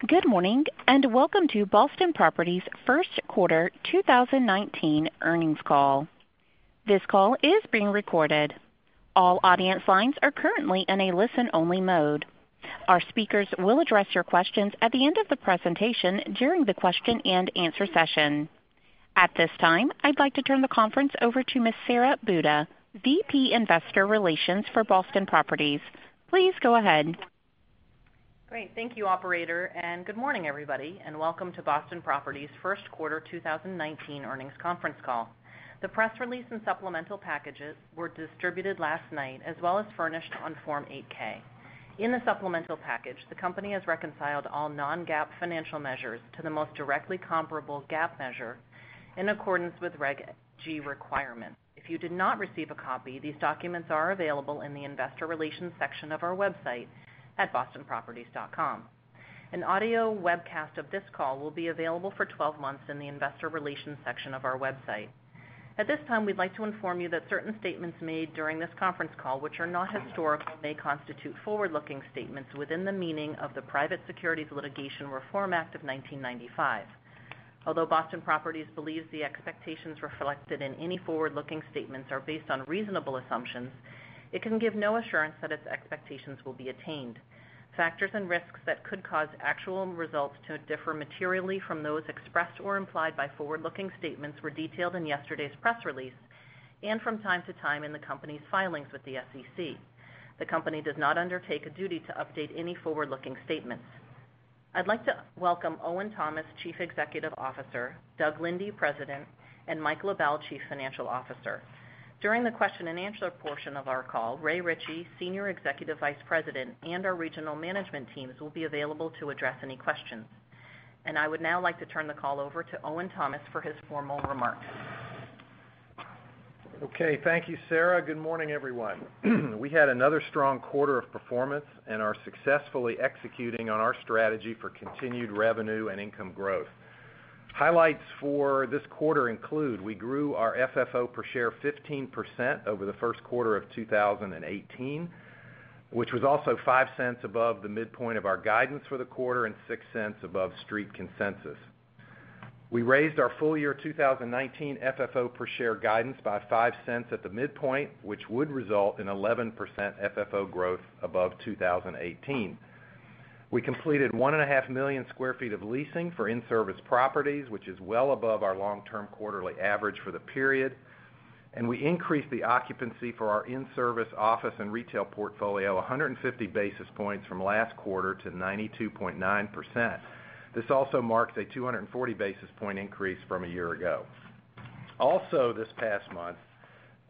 Good morning. Welcome to Boston Properties' First Quarter 2019 Earnings Call. This call is being recorded. All audience lines are currently in a listen-only mode. Our speakers will address your questions at the end of the presentation during the question and answer session. At this time, I'd like to turn the conference over to Ms. Sara Buda, VP Investor Relations for Boston Properties. Please go ahead. Great. Thank you, operator. Good morning, everybody. Welcome to Boston Properties' first quarter 2019 earnings conference call. The press release and supplemental packages were distributed last night, as well as furnished on Form 8-K. In the supplemental package, the company has reconciled all non-GAAP financial measures to the most directly comparable GAAP measure in accordance with Reg G requirements. If you did not receive a copy, these documents are available in the investor relations section of our website at bostonproperties.com. An audio webcast of this call will be available for 12 months in the investor relations section of our website. At this time, we'd like to inform you that certain statements made during this conference call, which are not historical, may constitute forward-looking statements within the meaning of the Private Securities Litigation Reform Act of 1995. Although Boston Properties believes the expectations reflected in any forward-looking statements are based on reasonable assumptions, it can give no assurance that its expectations will be attained. Factors and risks that could cause actual results to differ materially from those expressed or implied by forward-looking statements were detailed in yesterday's press release and from time to time in the company's filings with the SEC. The company does not undertake a duty to update any forward-looking statements. I'd like to welcome Owen Thomas, Chief Executive Officer, Doug Linde, President, and Mike LaBelle, Chief Financial Officer. During the question and answer portion of our call, Ray Ritchey, Senior Executive Vice President, and our regional management teams will be available to address any questions. I would now like to turn the call over to Owen Thomas for his formal remarks. Okay. Thank you, Sara. Good morning, everyone. We had another strong quarter of performance and are successfully executing on our strategy for continued revenue and income growth. Highlights for this quarter include we grew our FFO per share 15% over the first quarter of 2018, which was also $0.05 above the midpoint of our guidance for the quarter and $0.06 above street consensus. We raised our full year 2019 FFO per share guidance by $0.05 at the midpoint, which would result in 11% FFO growth above 2018. We completed 1.5 million square feet of leasing for in-service properties, which is well above our long-term quarterly average for the period. We increased the occupancy for our in-service office and retail portfolio 150 basis points from last quarter to 92.9%. This also marks a 240 basis point increase from a year ago. This past month,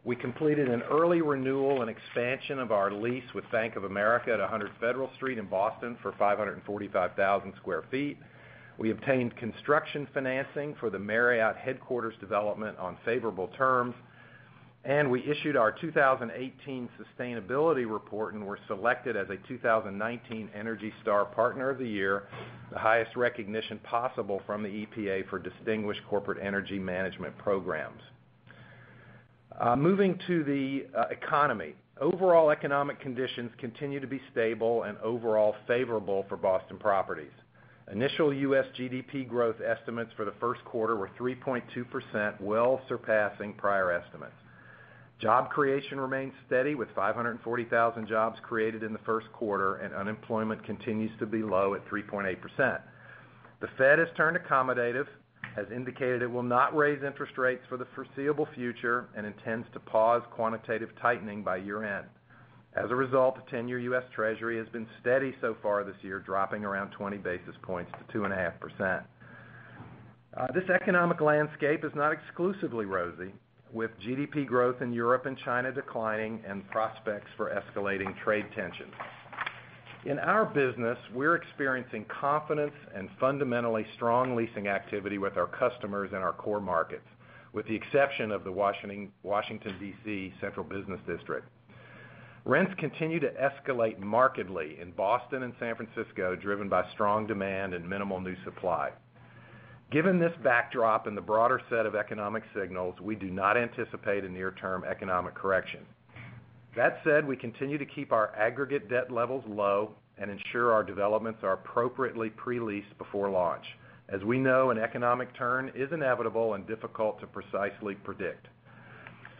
we completed an early renewal and expansion of our lease with Bank of America at 100 Federal Street in Boston for 545,000 sq ft. We obtained construction financing for the Marriott headquarters development on favorable terms, and we issued our 2018 sustainability report and were selected as a 2019 ENERGY STAR Partner of the Year, the highest recognition possible from the EPA for distinguished corporate energy management programs. Moving to the economy. Overall economic conditions continue to be stable and overall favorable for Boston Properties. Initial U.S. GDP growth estimates for the first quarter were 3.2%, well surpassing prior estimates. Job creation remains steady with 540,000 jobs created in the first quarter, and unemployment continues to be low at 3.8%. The Fed has turned accommodative, has indicated it will not raise interest rates for the foreseeable future and intends to pause quantitative tightening by year-end. The 10-year U.S. Treasury has been steady so far this year, dropping around 20 basis points to 2.5%. This economic landscape is not exclusively rosy, with GDP growth in Europe and China declining and prospects for escalating trade tensions. In our business, we're experiencing confidence and fundamentally strong leasing activity with our customers in our core markets, with the exception of the Washington, D.C., central business district. Rents continue to escalate markedly in Boston and San Francisco, driven by strong demand and minimal new supply. Given this backdrop and the broader set of economic signals, we do not anticipate a near-term economic correction. That said, we continue to keep our aggregate debt levels low and ensure our developments are appropriately pre-leased before launch. As we know, an economic turn is inevitable and difficult to precisely predict.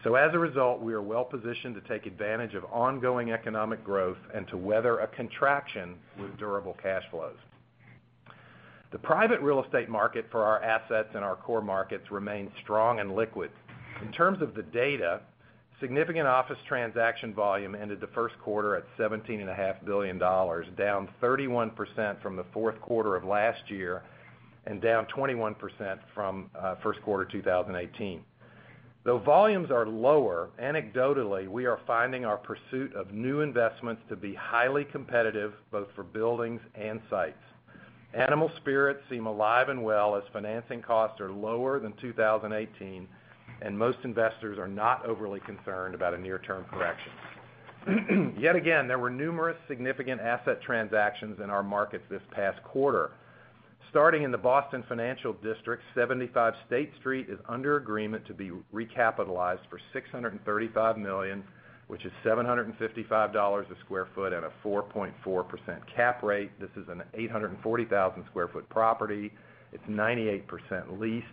As a result, we are well positioned to take advantage of ongoing economic growth and to weather a contraction with durable cash flows. The private real estate market for our assets in our core markets remains strong and liquid. In terms of the data, significant office transaction volume ended the first quarter at $17.5 billion, down 31% from the fourth quarter of last year and down 21% from first quarter 2018. Though volumes are lower, anecdotally, we are finding our pursuit of new investments to be highly competitive both for buildings and sites. Animal spirits seem alive and well as financing costs are lower than 2018, and most investors are not overly concerned about a near-term correction. Yet again, there were numerous significant asset transactions in our markets this past quarter. Starting in the Boston financial district, 75 State Street is under agreement to be recapitalized for $635 million, which is $755 a sq ft at a 4.4% cap rate. This is an 840,000 sq ft property. It's 98% leased,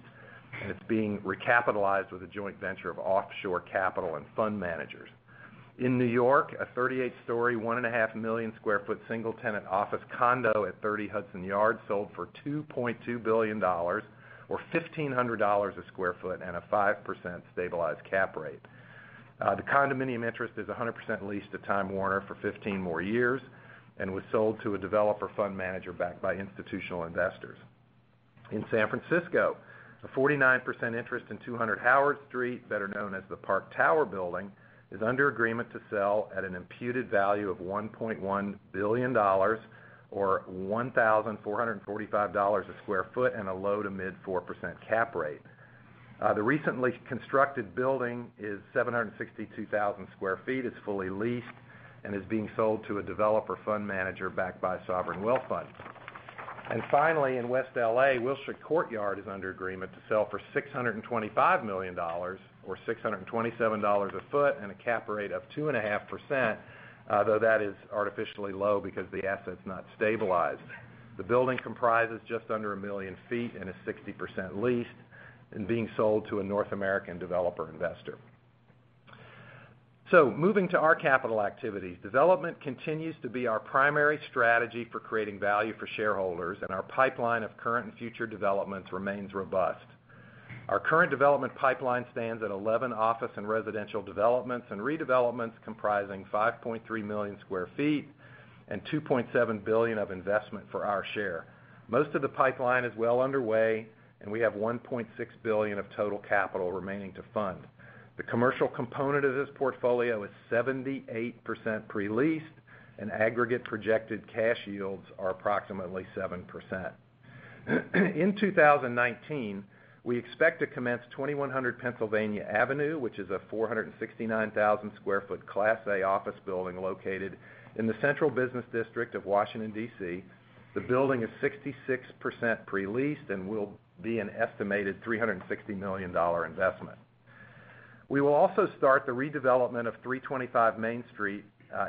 and it's being recapitalized with a joint venture of offshore capital and fund managers. In New York, a 38-story, 1.5 million sq ft single-tenant office condo at 30 Hudson Yards sold for $2.2 billion, or $1,500 a sq ft and a 5% stabilized cap rate. The condominium interest is 100% leased to Time Warner for 15 more years and was sold to a developer fund manager backed by institutional investors. In San Francisco, a 49% interest in 200 Howard Street, better known as the Park Tower building, is under agreement to sell at an imputed value of $1.1 billion, or $1,445 a square foot, and a low-to-mid 4% cap rate. The recently constructed building is 762,000 square feet, it's fully leased, and is being sold to a developer fund manager backed by sovereign wealth funds. Finally, in West L.A., Wilshire Courtyard is under agreement to sell for $625 million, or $627 a foot, and a cap rate of 2.5%, though that is artificially low because the asset's not stabilized. The building comprises just under 1 million feet and is 60% leased and being sold to a North American developer investor. Moving to our capital activities, development continues to be our primary strategy for creating value for shareholders, our pipeline of current and future developments remains robust. Our current development pipeline stands at 11 office and residential developments and redevelopments comprising 5.3 million sq ft And $2.7 billion of investment for our share. Most of the pipeline is well underway, we have $1.6 billion of total capital remaining to fund. The commercial component of this portfolio is 78% pre-leased and aggregate projected cash yields are approximately 7%. In 2019, we expect to commence 2100 Pennsylvania Avenue, which is a 469,000 sq ft Class A office building located in the Central Business District of Washington, D.C. The building is 66% pre-leased and will be an estimated $360 million investment. We will also start the redevelopment of 325 Main Street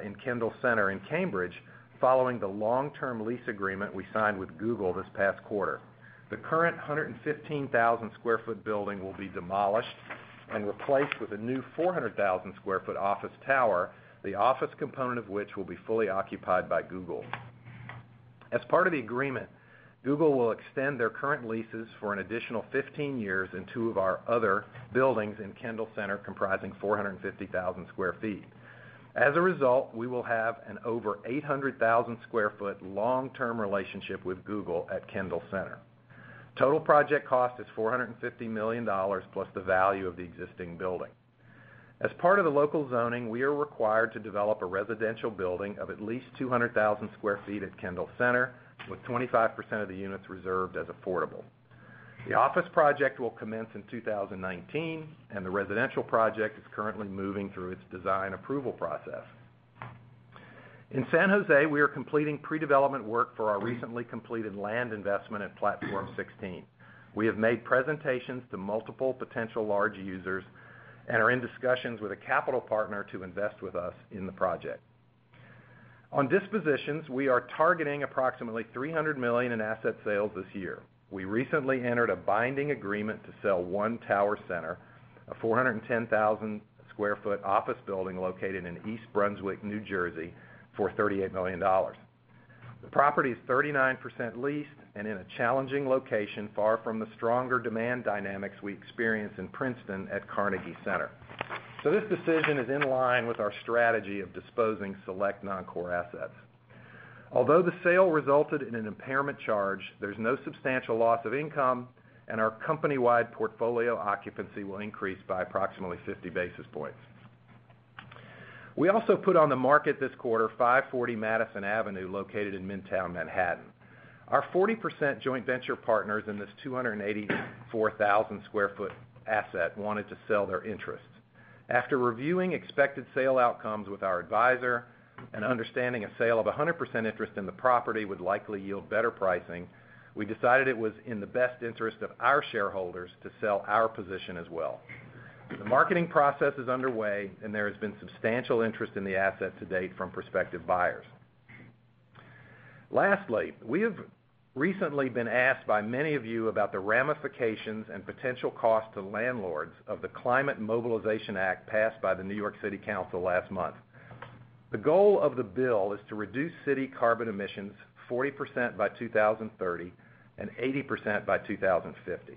in Kendall Center in Cambridge following the long-term lease agreement we signed with Google this past quarter. The current 115,000 sq ft building will be demolished and replaced with a new 400,000 sq ft office tower, the office component of which will be fully occupied by Google. As part of the agreement, Google will extend their current leases for an additional 15 years in two of our other buildings in Kendall Center, comprising 450,000 sq ft. As a result, we will have an over 800,000 square foot long-term relationship with Google at Kendall Center. Total project cost is $450 million plus the value of the existing building. As part of the local zoning, we are required to develop a residential building of at least 200,000 sq ft at Kendall Center, with 25% of the units reserved as affordable. The office project will commence in 2019, the residential project is currently moving through its design approval process. In San Jose, we are completing pre-development work for our recently completed land investment at Platform 16. We have made presentations to multiple potential large users and are in discussions with a capital partner to invest with us in the project. On dispositions, we are targeting approximately $300 million in asset sales this year. We recently entered a binding agreement to sell One Tower Center, a 410,000 sq ft office building located in East Brunswick, New Jersey, for $38 million. The property is 39% leased and in a challenging location, far from the stronger demand dynamics we experience in Princeton at Carnegie Center. This decision is in line with our strategy of disposing select non-core assets. Although the sale resulted in an impairment charge, there's no substantial loss of income, our company-wide portfolio occupancy will increase by approximately 50 basis points. We also put on the market this quarter 540 Madison Avenue, located in Midtown Manhattan. Our 40% joint venture partners in this 284,000 sq ft asset wanted to sell their interest. After reviewing expected sale outcomes with our advisor and understanding a sale of 100% interest in the property would likely yield better pricing, we decided it was in the best interest of our shareholders to sell our position as well. There has been substantial interest in the asset to date from prospective buyers. Lastly, we have recently been asked by many of you about the ramifications and potential cost to landlords of the Climate Mobilization Act passed by the New York City Council last month. The goal of the bill is to reduce city carbon emissions 40% by 2030 and 80% by 2050.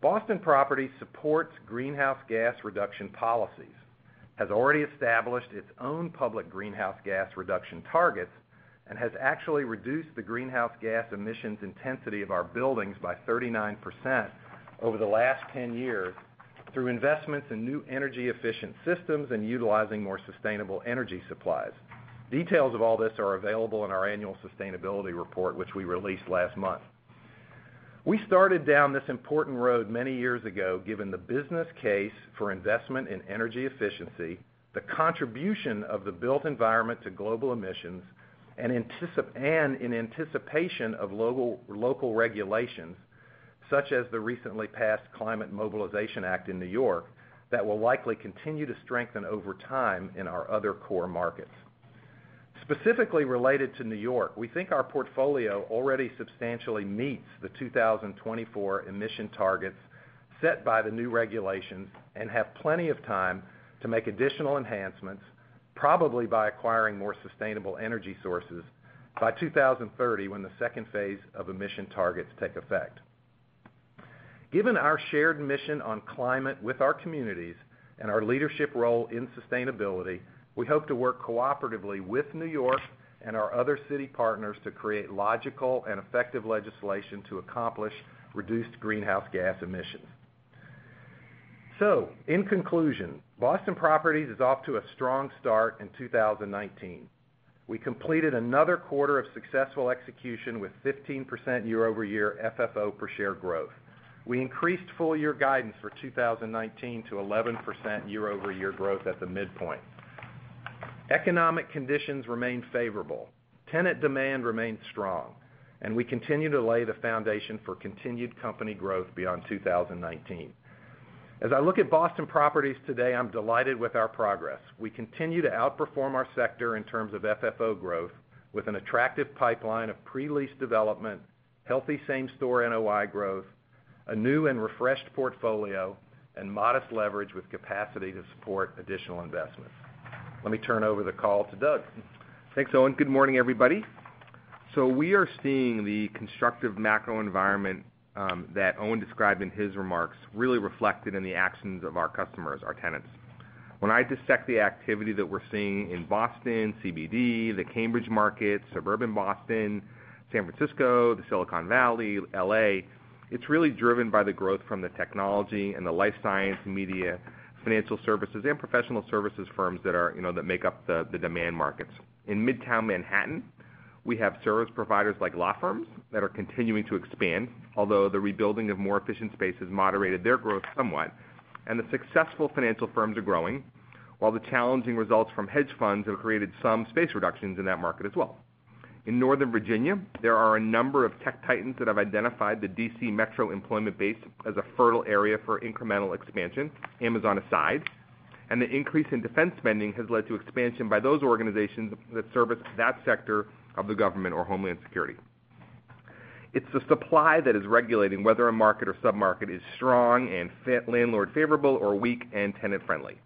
Boston Properties supports greenhouse gas reduction policies, has already established its own public greenhouse gas reduction targets, and has actually reduced the greenhouse gas emissions intensity of our buildings by 39% over the last 10 years through investments in new energy-efficient systems and utilizing more sustainable energy supplies. Details of all this are available in our annual sustainability report, which we released last month. We started down this important road many years ago, given the business case for investment in energy efficiency, the contribution of the built environment to global emissions, and in anticipation of local regulations such as the recently passed Climate Mobilization Act in New York that will likely continue to strengthen over time in our other core markets. Specifically related to New York, we think our portfolio already substantially meets the 2024 emission targets set by the new regulations and have plenty of time to make additional enhancements, probably by acquiring more sustainable energy sources by 2030, when the second phase of emission targets take effect. Given our shared mission on climate with our communities and our leadership role in sustainability, we hope to work cooperatively with New York and our other city partners to create logical and effective legislation to accomplish reduced greenhouse gas emissions. In conclusion, Boston Properties is off to a strong start in 2019. We completed another quarter of successful execution with 15% year-over-year FFO per share growth. We increased full-year guidance for 2019 to 11% year-over-year growth at the midpoint. Economic conditions remain favorable, tenant demand remains strong, and we continue to lay the foundation for continued company growth beyond 2019. As I look at Boston Properties today, I'm delighted with our progress. We continue to outperform our sector in terms of FFO growth with an attractive pipeline of pre-lease development, healthy same-store NOI growth, a new and refreshed portfolio, and modest leverage with capacity to support additional investments. Let me turn over the call to Doug. Thanks, Owen. Good morning, everybody. We are seeing the constructive macro environment that Owen described in his remarks really reflected in the actions of our customers, our tenants. When I dissect the activity that we're seeing in Boston, CBD, the Cambridge market, suburban Boston, San Francisco, the Silicon Valley, L.A., it's really driven by the growth from the technology and the life science, media, financial services, and professional services firms that make up the demand markets. In Midtown Manhattan, we have service providers like law firms that are continuing to expand, although the rebuilding of more efficient space has moderated their growth somewhat. And the successful financial firms are growing, while the challenging results from hedge funds have created some space reductions in that market as well. In Northern Virginia, there are a number of tech titans that have identified the D.C. metro employment base as a fertile area for incremental expansion, Amazon aside. And the increase in defense spending has led to expansion by those organizations that service that sector of the government or homeland security. It's the supply that is regulating whether a market or sub-market is strong and landlord-favorable or weak and tenant-friendly.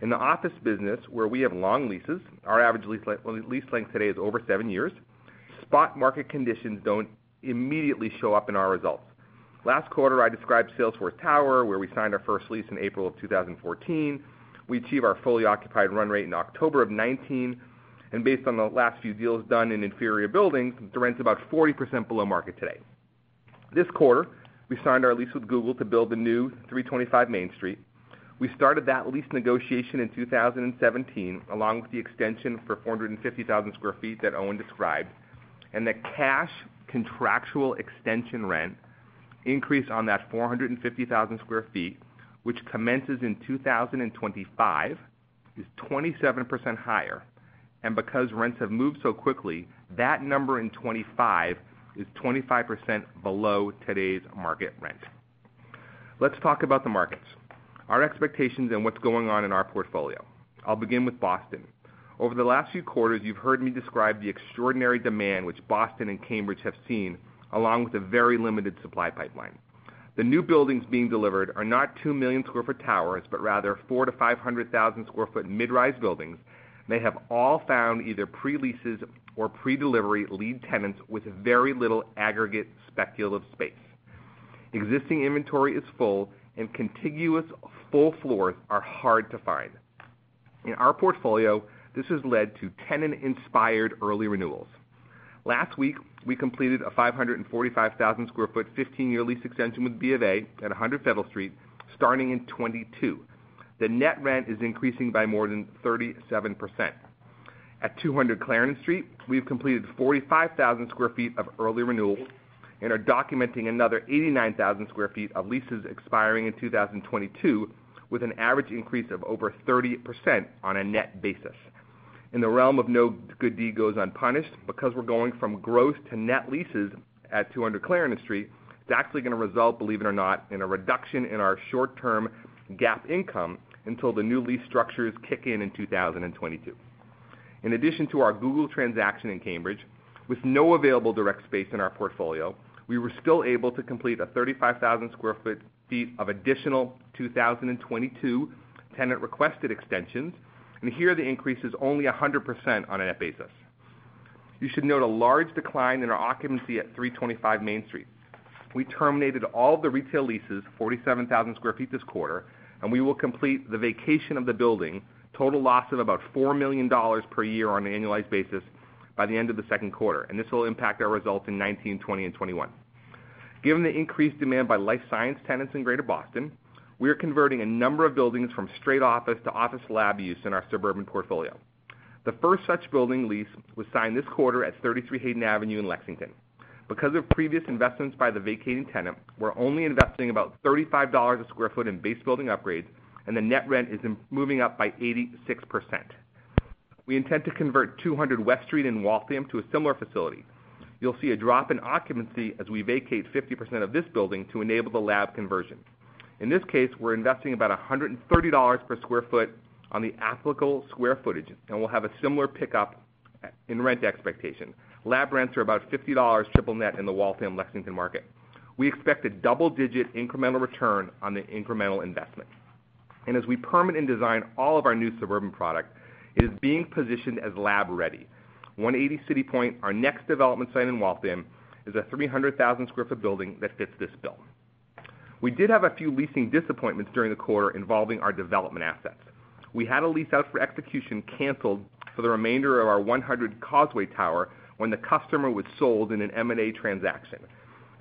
In the office business, where we have long leases, our average lease length today is over seven years. Spot market conditions don't immediately show up in our results. Last quarter, I described Salesforce Tower, where we signed our first lease in April of 2014. We achieve our fully occupied run rate in October of 2019, and based on the last few deals done in inferior buildings, the rent's about 40% below market today. This quarter, we signed our lease with Google to build the new 325 Main Street. We started that lease negotiation in 2017, along with the extension for 450,000 sq ft that Owen described. And the cash contractual extension rent increase on that 450,000 sq ft, which commences in 2025, is 27% higher. And because rents have moved so quickly, that number in 2025 is 25% below today's market rent. Let's talk about the markets, our expectations, and what's going on in our portfolio. I'll begin with Boston. Over the last few quarters, you've heard me describe the extraordinary demand which Boston and Cambridge have seen, along with a very limited supply pipeline. The new buildings being delivered are not 2 million sq ft towers, but rather 400,000 sq ft-500,000 sq ft mid-rise buildings, and they have all found either pre-leases or pre-delivery lead tenants with very little aggregate speculative space. Existing inventory is full, and contiguous full floors are hard to find. In our portfolio, this has led to tenant-inspired early renewals. Last week, we completed a 545,000 sq ft, 15-year lease extension with B of A at 100 Federal Street, starting in 2022. The net rent is increasing by more than 37%. At 200 Clarendon Street, we've completed 45,000 sq ft of early renewals and are documenting another 89,000 sq ft of leases expiring in 2022, with an average increase of over 30% on a net basis. In the realm of no good deed goes unpunished, because we're going from gross to net leases at 200 Clarendon Street, it's actually going to result, believe it or not, in a reduction in our short-term GAAP income until the new lease structures kick in in 2022. In addition to our Google transaction in Cambridge, with no available direct space in our portfolio, we were still able to complete 35,000 sq ft of additional 2022 tenant-requested extensions. Here, the increase is only 100% on a net basis. You should note a large decline in our occupancy at 325 Main Street. We terminated all the retail leases, 47,000 sq ft this quarter, and we will complete the vacation of the building, total loss of about $4 million per year on an annualized basis, by the end of the second quarter. This will impact our results in 2019, 2020, and 2021. Given the increased demand by life science tenants in Greater Boston, we are converting a number of buildings from straight office to office lab use in our suburban portfolio. The first such building lease was signed this quarter at 33 Hayden Avenue in Lexington. Because of previous investments by the vacating tenant, we're only investing about $35 a sq ft in base building upgrades, the net rent is moving up by 86%. We intend to convert 200 West Street in Waltham to a similar facility. You'll see a drop in occupancy as we vacate 50% of this building to enable the lab conversion. In this case, we're investing about $130 per sq ft on the applicable square footage, and we'll have a similar pickup in rent expectation. Lab rents are about $50 triple net in the Waltham, Lexington market. We expect a double-digit incremental return on the incremental investment. As we permit and design all of our new suburban product, it is being positioned as lab-ready. 180 CityPoint, our next development site in Waltham, is a 300,000 sq ft building that fits this bill. We did have a few leasing disappointments during the quarter involving our development assets. We had a lease out for execution canceled for the remainder of our 100 Causeway tower when the customer was sold in an M&A transaction.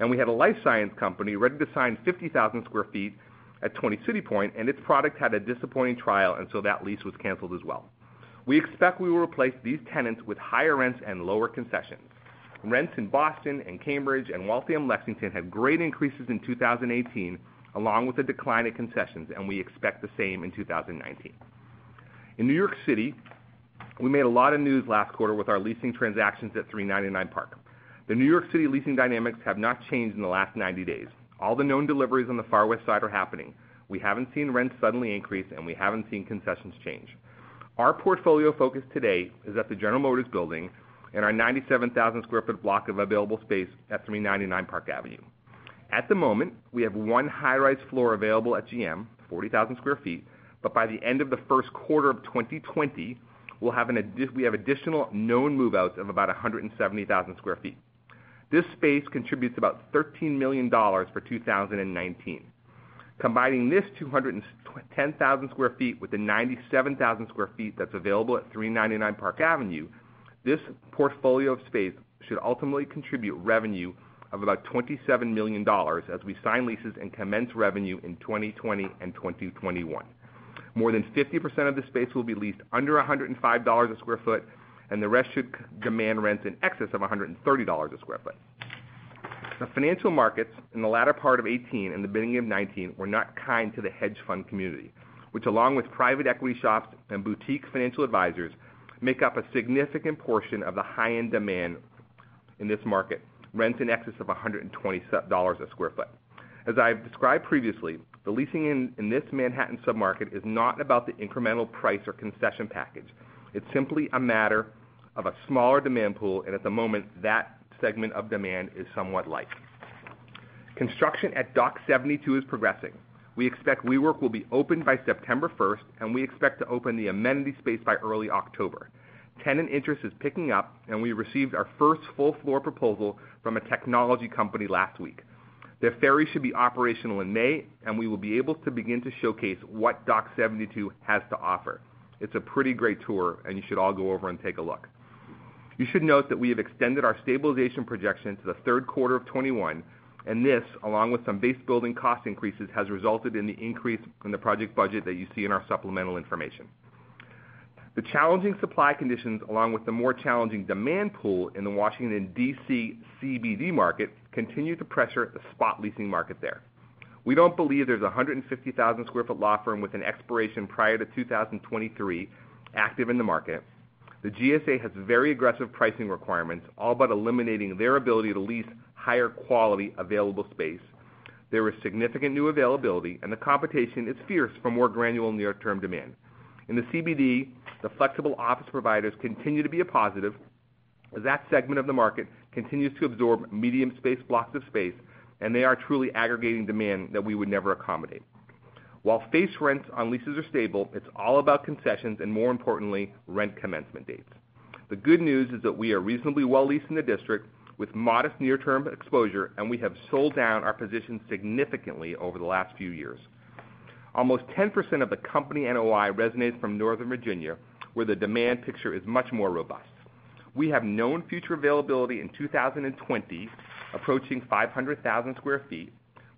We had a life science company ready to sign 50,000 sq ft at 20 CityPoint, its product had a disappointing trial, so that lease was canceled as well. We expect we will replace these tenants with higher rents and lower concessions. Rents in Boston and Cambridge and Waltham, Lexington had great increases in 2018, along with a decline in concessions, we expect the same in 2019. In New York City, we made a lot of news last quarter with our leasing transactions at 399 Park. The New York City leasing dynamics have not changed in the last 90 days. All the known deliveries on the Far West Side are happening. We haven't seen rents suddenly increase, we haven't seen concessions change. Our portfolio focus today is at the General Motors building and our 97,000 sq ft block of available space at 399 Park Avenue. At the moment, we have one high-rise floor available at GM, 40,000 sq ft, by the end of the first quarter of 2020, we have additional known move-outs of about 170,000 sq ft. This space contributes about $13 million for 2019. Combining this 210,000 sq ft with the 97,000 sq ft that's available at 399 Park Avenue, this portfolio of space should ultimately contribute revenue of about $27 million as we sign leases and commence revenue in 2020 and 2021. More than 50% of the space will be leased under $105 a sq ft, and the rest should demand rents in excess of $130 a sq ft. The financial markets in the latter part of 2018 and the beginning of 2019 were not kind to the hedge fund community, which, along with private equity shops and boutique financial advisors, make up a significant portion of the high-end demand in this market, rents in excess of $120 a sq ft. As I've described previously, the leasing in this Manhattan sub-market is not about the incremental price or concession package. It's simply a matter of a smaller demand pool, and at the moment, that segment of demand is somewhat light. Construction at Dock 72 is progressing. We expect WeWork will be open by September 1st, and we expect to open the amenity space by early October. Tenant interest is picking up, and we received our first full-floor proposal from a technology company last week. The ferry should be operational in May, and we will be able to begin to showcase what Dock 72 has to offer. It's a pretty great tour, and you should all go over and take a look. You should note that we have extended our stabilization projection to the third quarter of 2021, and this, along with some base building cost increases, has resulted in the increase in the project budget that you see in our supplemental information. The challenging supply conditions, along with the more challenging demand pool in the Washington, D.C. CBD market, continue to pressure the spot leasing market there. We don't believe there's 150,000 sq ft law firm with an expiration prior to 2023 active in the market. The GSA has very aggressive pricing requirements, all but eliminating their ability to lease higher quality available space. There is significant new availability, and the competition is fierce for more granular near-term demand. In the CBD, the flexible office providers continue to be a positive, as that segment of the market continues to absorb medium space blocks of space, and they are truly aggregating demand that we would never accommodate. While face rents on leases are stable, it's all about concessions and, more importantly, rent commencement dates. The good news is that we are reasonably well leased in the District with modest near-term exposure, and we have sold down our position significantly over the last few years. Almost 10% of the company NOI resonates from Northern Virginia, where the demand picture is much more robust. We have known future availability in 2020 approaching 500,000 sq ft,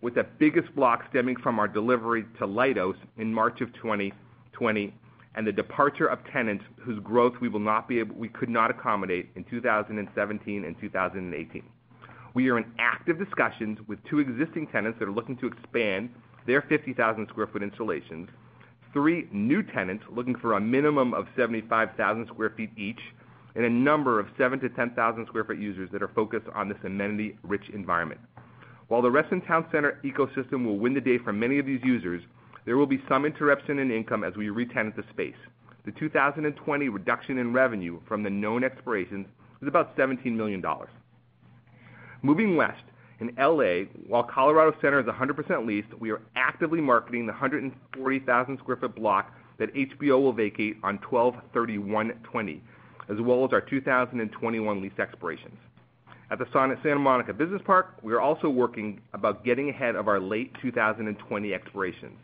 with the biggest block stemming from our delivery to Leidos in March of 2020 and the departure of tenants whose growth we could not accommodate in 2017 and 2018. We are in active discussions with two existing tenants that are looking to expand their 50,000 sq ft installations, three new tenants looking for a minimum of 75,000 sq ft each, and a number of 7,000 sq ft to 10,000 sq ft users that are focused on this amenity-rich environment. While the Reston Town Center ecosystem will win the day for many of these users, there will be some interruption in income as we re-tenant the space. The 2020 reduction in revenue from the known expirations was about $17 million. Moving west in L.A., while Colorado Center is 100% leased, we are actively marketing the 140,000 sq ft block that HBO will vacate on 12/31/2020, as well as our 2021 lease expirations. At the Santa Monica Business Park, we are also working about getting ahead of our late 2020 expirations.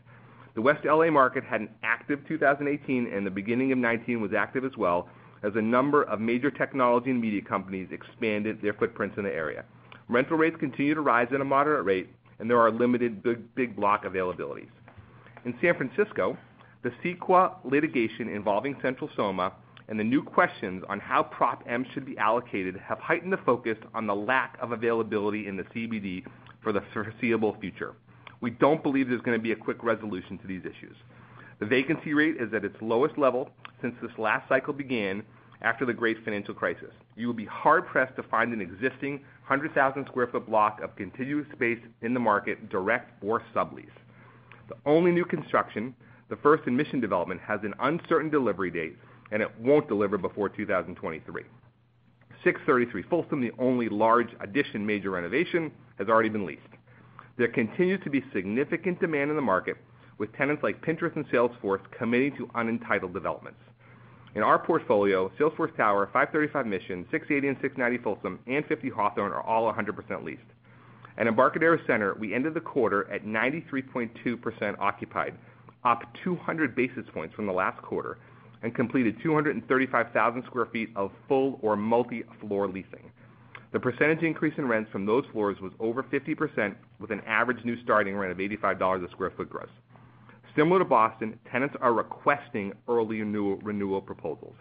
The West L.A. market had an active 2018, and the beginning of 2019 was active as well, as a number of major technology and media companies expanded their footprints in the area. Rental rates continue to rise at a moderate rate. There are limited big block availabilities. In San Francisco, the CEQA litigation involving Central SoMa and the new questions on how Prop M should be allocated have heightened the focus on the lack of availability in the CBD for the foreseeable future. We don't believe there's going to be a quick resolution to these issues. The vacancy rate is at its lowest level since this last cycle began after the great financial crisis. You will be hard-pressed to find an existing 100,000 sq ft block of contiguous space in the market direct for sublease. The only new construction, the First and Mission development, has an uncertain delivery date, and it won't deliver before 2023. 633 Folsom, the only large addition major renovation, has already been leased. There continues to be significant demand in the market with tenants like Pinterest and Salesforce committing to unentitled developments. In our portfolio, Salesforce Tower, 535 Mission, 680 and 690 Folsom, and 50 Hawthorne are all 100% leased. At Embarcadero Center, we ended the quarter at 93.2% occupied, up 200 basis points from the last quarter and completed 235,000 sq ft of full or multi-floor leasing. The percentage increase in rents from those floors was over 50%, with an average new starting rent of $85 a sq ft gross. Similar to Boston, tenants are requesting early renewal proposals.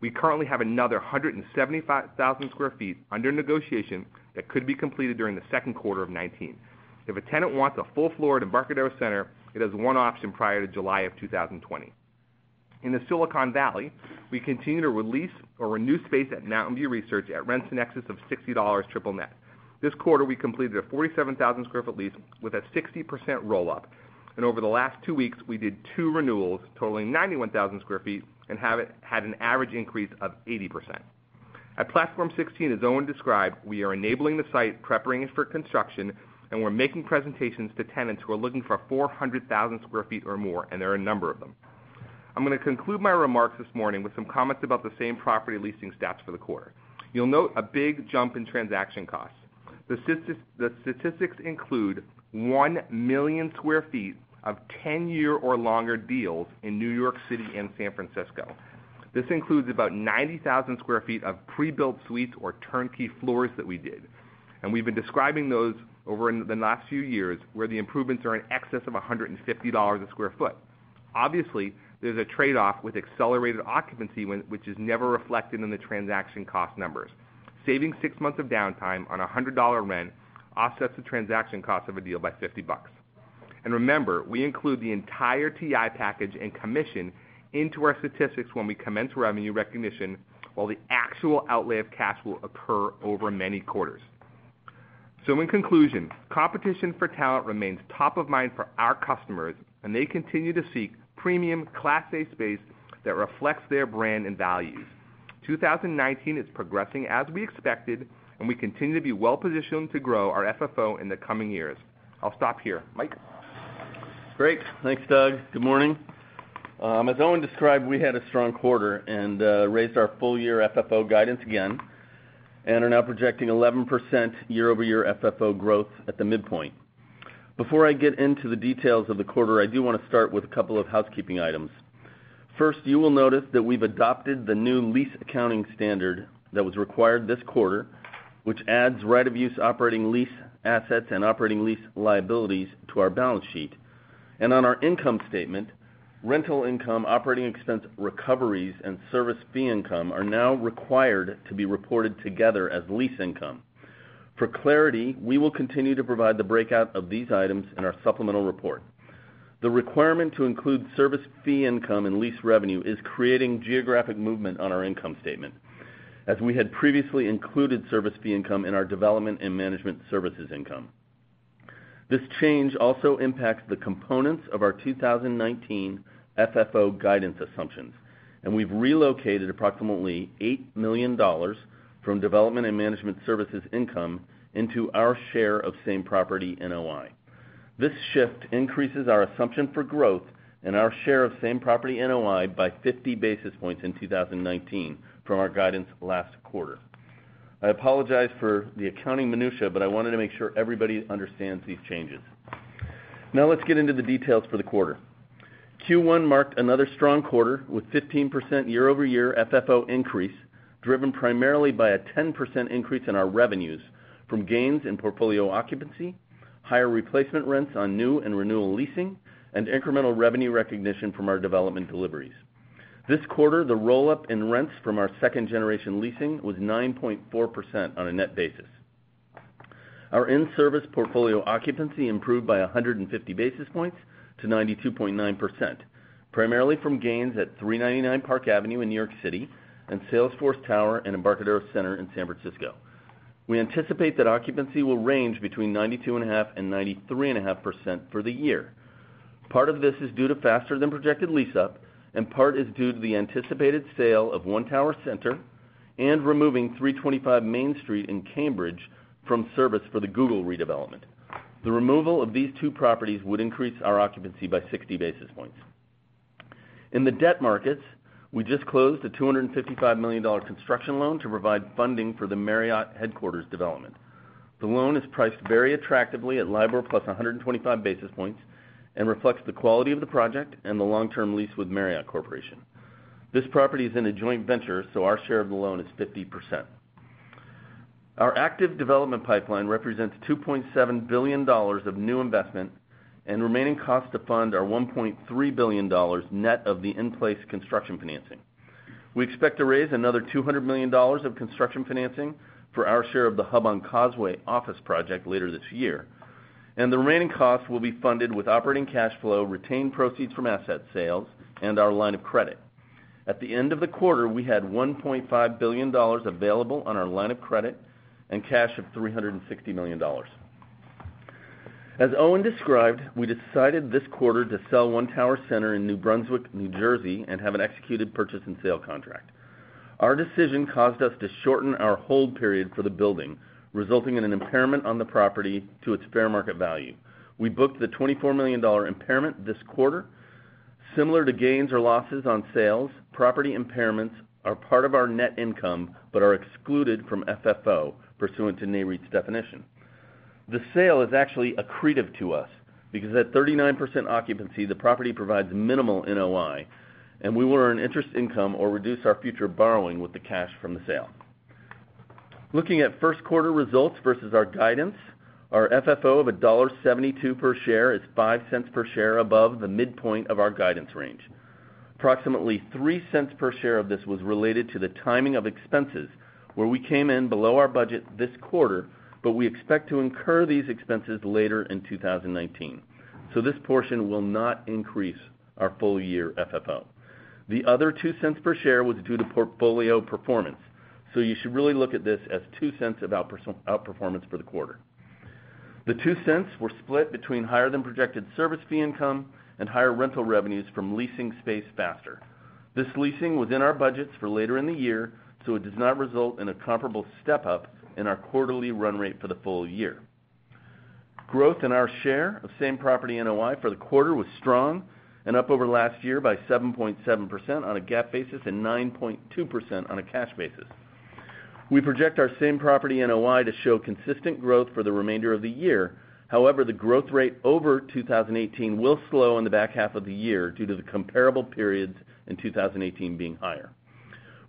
We currently have another 175,000 sq ft under negotiation that could be completed during the second quarter of 2019. If a tenant wants a full floor at Embarcadero Center, it has one option prior to July of 2020. In the Silicon Valley, we continue to release or renew space at Mountain View Research Park at rents in excess of $60 triple net. This quarter, we completed a 47,000 sq ft lease with a 60% roll-up. Over the last two weeks, we did two renewals totaling 91,000 sq ft and had an average increase of 80%. At Platform 16, as Owen described, we are enabling the site, preparing it for construction, and we're making presentations to tenants who are looking for 400,000 sq ft or more. There are a number of them. I'm going to conclude my remarks this morning with some comments about the same-property leasing stats for the quarter. You'll note a big jump in transaction costs. The statistics include 1 million sq ft of 10-year or longer deals in New York City and San Francisco. This includes about 90,000 sq ft of pre-built suites or turnkey floors that we did. We've been describing those over the last few years where the improvements are in excess of $150 a sq ft. Obviously, there's a trade-off with accelerated occupancy, which is never reflected in the transaction cost numbers. Saving six months of downtime on a $100 rent offsets the transaction cost of a deal by $50. Remember, we include the entire TI package and commission into our statistics when we commence revenue recognition, while the actual outlay of cash will occur over many quarters. In conclusion, competition for talent remains top of mind for our customers, and they continue to seek premium Class A space that reflects their brand and values. 2019 is progressing as we expected, and we continue to be well-positioned to grow our FFO in the coming years. I'll stop here. Mike? Great. Thanks, Doug. Good morning. As Owen described, we had a strong quarter and raised our full-year FFO guidance again and are now projecting 11% year-over-year FFO growth at the midpoint. Before I get into the details of the quarter, I do want to start with a couple of housekeeping items. First, you will notice that we've adopted the new lease accounting standard that was required this quarter, which adds right-of-use operating lease assets and operating lease liabilities to our balance sheet. On our income statement, rental income, operating expense recoveries, and service fee income are now required to be reported together as lease income. For clarity, we will continue to provide the breakout of these items in our supplemental report. The requirement to include service fee income and lease revenue is creating geographic movement on our income statement, as we had previously included service fee income in our development and management services income. This change also impacts the components of our 2019 FFO guidance assumptions. We've relocated approximately $8 million from development and management services income into our share of same-property NOI. This shift increases our assumption for growth and our share of same-property NOI by 50 basis points in 2019 from our guidance last quarter. I apologize for the accounting minutia, I wanted to make sure everybody understands these changes. Let's get into the details for the quarter. Q1 marked another strong quarter with 15% year-over-year FFO increase, driven primarily by a 10% increase in our revenues from gains in portfolio occupancy, higher replacement rents on new and renewal leasing, and incremental revenue recognition from our development deliveries. This quarter, the roll-up in rents from our second-generation leasing was 9.4% on a net basis. Our in-service portfolio occupancy improved by 150 basis points to 92.9%, primarily from gains at 399 Park Avenue in New York City and Salesforce Tower and Embarcadero Center in San Francisco. We anticipate that occupancy will range between 92.5% and 93.5% for the year. Part of this is due to faster-than-projected lease-up, and part is due to the anticipated sale of One Tower Center and removing 325 Main Street in Cambridge from service for the Google redevelopment. The removal of these two properties would increase our occupancy by 60 basis points. In the debt markets, we just closed a $255 million construction loan to provide funding for the Marriott headquarters development. The loan is priced very attractively at LIBOR plus 125 basis points and reflects the quality of the project and the long-term lease with Marriott Corporation. This property is in a joint venture, so our share of the loan is 50%. Our active development pipeline represents $2.7 billion of new investment and remaining cost to fund our $1.3 billion net of the in-place construction financing. We expect to raise another $200 million of construction financing for our share of the Hub on Causeway office project later this year, and the remaining costs will be funded with operating cash flow, retained proceeds from asset sales, and our line of credit. At the end of the quarter, we had $1.5 billion available on our line of credit and cash of $360 million. As Owen described, we decided this quarter to sell One Tower Center in East Brunswick, New Jersey, and have an executed purchase and sale contract. Our decision caused us to shorten our hold period for the building, resulting in an impairment on the property to its fair market value. We booked the $24 million impairment this quarter. Similar to gains or losses on sales, property impairments are part of our net income but are excluded from FFO pursuant to Nareit's definition. The sale is actually accretive to us because at 39% occupancy, the property provides minimal NOI, and we will earn interest income or reduce our future borrowing with the cash from the sale. Looking at first quarter results versus our guidance, our FFO of $1.72 per share is $0.05 per share above the midpoint of our guidance range. Approximately $0.03 per share of this was related to the timing of expenses, where we came in below our budget this quarter, but we expect to incur these expenses later in 2019. This portion will not increase our full-year FFO. The other $0.02 per share was due to portfolio performance. You should really look at this as $0.02 of outperformance for the quarter. The $0.02 were split between higher than projected service fee income and higher rental revenues from leasing space faster. This leasing was in our budgets for later in the year, so it does not result in a comparable step-up in our quarterly run rate for the full year. Growth in our share of same-property NOI for the quarter was strong and up over last year by 7.7% on a GAAP basis and 9.2% on a cash basis. We project our same-property NOI to show consistent growth for the remainder of the year. However, the growth rate over 2018 will slow in the back half of the year due to the comparable periods in 2018 being higher.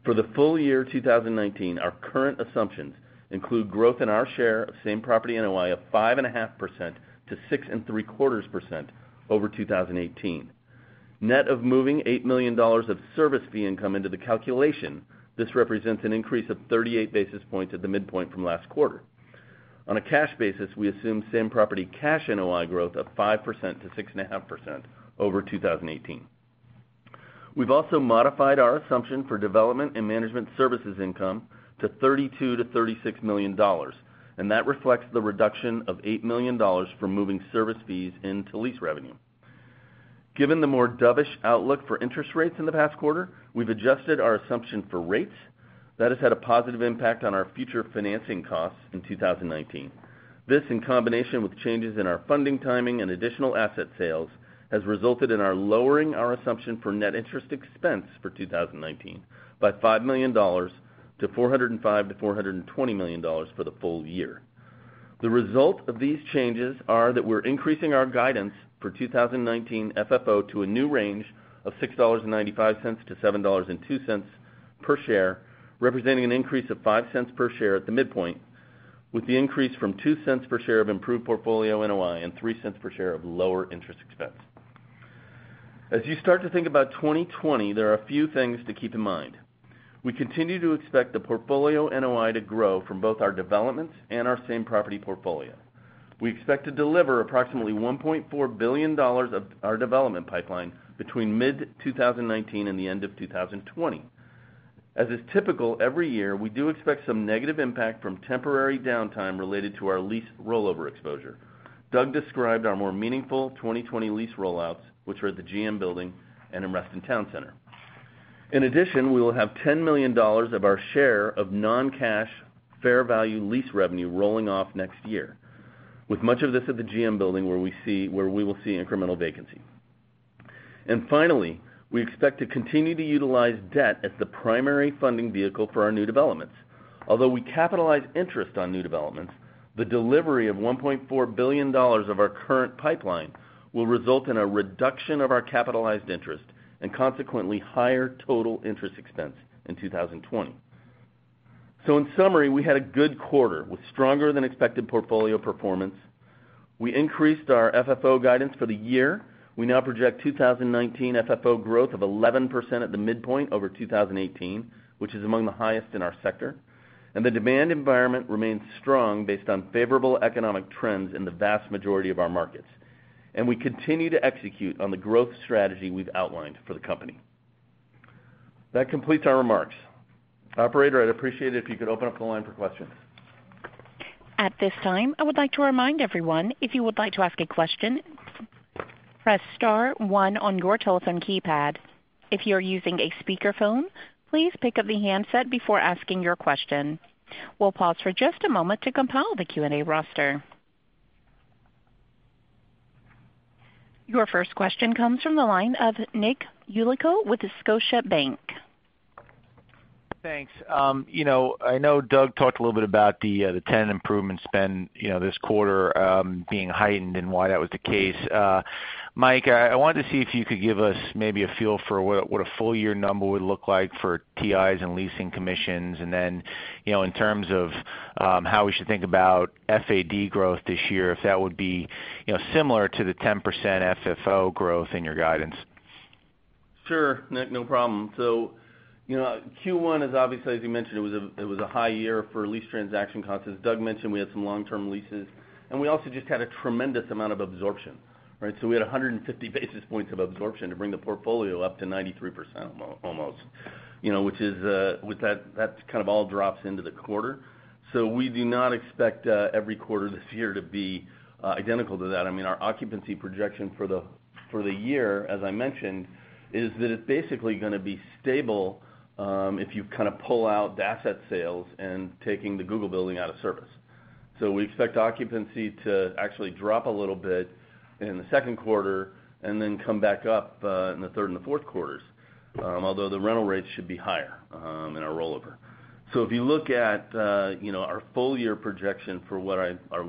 For the full year 2019, our current assumptions include growth in our share of same-property NOI of 5.5%-6.75% over 2018. Net of moving $8 million of service fee income into the calculation, this represents an increase of 38 basis points at the midpoint from last quarter. On a cash basis, we assume same-property cash NOI growth of 5%-6.5% over 2018. We've also modified our assumption for development and management services income to $32 million-$36 million, and that reflects the reduction of $8 million from moving service fees into lease revenue. Given the more dovish outlook for interest rates in the past quarter, we've adjusted our assumption for rates. That has had a positive impact on our future financing costs in 2019. This, in combination with changes in our funding timing and additional asset sales, has resulted in our lowering our assumption for net interest expense for 2019 by $5 million to $405 million-$420 million for the full year. The result of these changes are that we're increasing our guidance for 2019 FFO to a new range of $6.95-$7.02 per share, representing an increase of $0.05 per share at the midpoint, with the increase from $0.02 per share of improved portfolio NOI and $0.03 per share of lower interest expense. As you start to think about 2020, there are a few things to keep in mind. We continue to expect the portfolio NOI to grow from both our developments and our same-property portfolio. We expect to deliver approximately $1.4 billion of our development pipeline between mid-2019 and the end of 2020. As is typical every year, we do expect some negative impact from temporary downtime related to our lease rollover exposure. Doug described our more meaningful 2020 lease rollouts, which are at the GM Building and in Reston Town Center. In addition, we will have $10 million of our share of non-cash fair value lease revenue rolling off next year, with much of this at the GM Building, where we will see incremental vacancy. Finally, we expect to continue to utilize debt as the primary funding vehicle for our new developments. Although we capitalize interest on new developments, the delivery of $1.4 billion of our current pipeline will result in a reduction of our capitalized interest and consequently higher total interest expense in 2020. In summary, we had a good quarter with stronger than expected portfolio performance. We increased our FFO guidance for the year. We now project 2019 FFO growth of 11% at the midpoint over 2018, which is among the highest in our sector. The demand environment remains strong based on favorable economic trends in the vast majority of our markets. We continue to execute on the growth strategy we've outlined for the company. That completes our remarks. Operator, I'd appreciate it if you could open up the line for questions. At this time, I would like to remind everyone, if you would like to ask a question, press star one on your telephone keypad. If you are using a speakerphone, please pick up the handset before asking your question. We'll pause for just a moment to compile the Q&A roster. Your first question comes from the line of Nick Yulico with Scotiabank. Thanks. I know Doug talked a little bit about the tenant improvement spend this quarter being heightened and why that was the case. Mike, I wanted to see if you could give us maybe a feel for what a full-year number would look like for TIs and leasing commissions, and then, in terms of how we should think about FAD growth this year, if that would be similar to the 10% FFO growth in your guidance. Sure. No problem. Q1 is obviously, as you mentioned, it was a high year for lease transaction costs. As Doug mentioned, we had some long-term leases, and we also just had a tremendous amount of absorption. We had 150 basis points of absorption to bring the portfolio up to 93%, almost. That kind of all drops into the quarter. We do not expect every quarter this year to be identical to that. Our occupancy projection for the year, as I mentioned, is that it's basically going to be stable, if you pull out the asset sales and taking the Google building out of service. We expect occupancy to actually drop a little bit in the second quarter and then come back up in the third and the fourth quarters. Although the rental rates should be higher in our rollover. If you look at our full-year projection for what our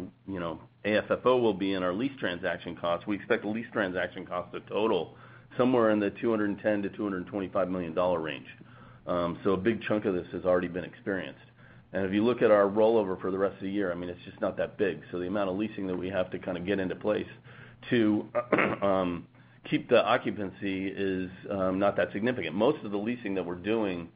AFFO will be and our lease transaction costs, we expect lease transaction costs to total somewhere in the $210 million to $225 million range. A big chunk of this has already been experienced. If you look at our rollover for the rest of the year, it's just not that big. The amount of leasing that we have to get into place to keep the occupancy is not that significant. Most of the leasing that we're doing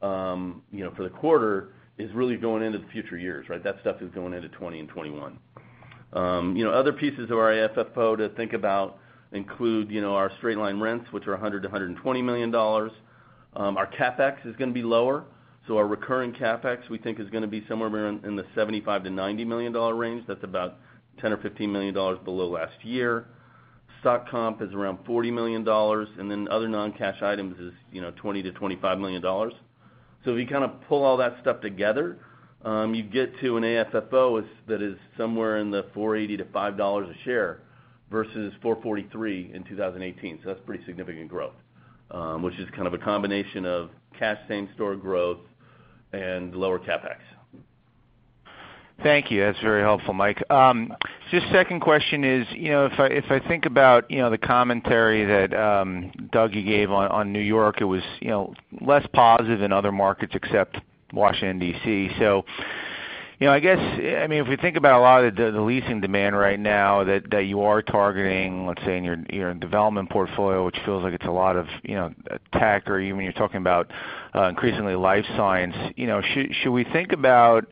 for the quarter is really going into the future years. That stuff is going into 2020 and 2021. Other pieces of our AFFO to think about include our straight line rents, which are $100 million to $120 million. Our CapEx is going to be lower. Our recurring CapEx, we think is going to be somewhere in the $75 million to $90 million range. That's about $10 million or $15 million below last year. Stock comp is around $40 million, and then other non-cash items is $20 million to $25 million. If you pull all that stuff together, you get to an AFFO that is somewhere in the $4.80 to $5 a share, versus $4.43 in 2018. That's pretty significant growth, which is kind of a combination of cash same-store growth and lower CapEx. Thank you. That's very helpful, Mike. Second question is, if I think about the commentary that Doug gave on New York, it was less positive than other markets except Washington, D.C. If we think about a lot of the leasing demand right now that you are targeting, let's say in your development portfolio, which feels like it's a lot of tech, or even when you're talking about increasingly life science. Should we think about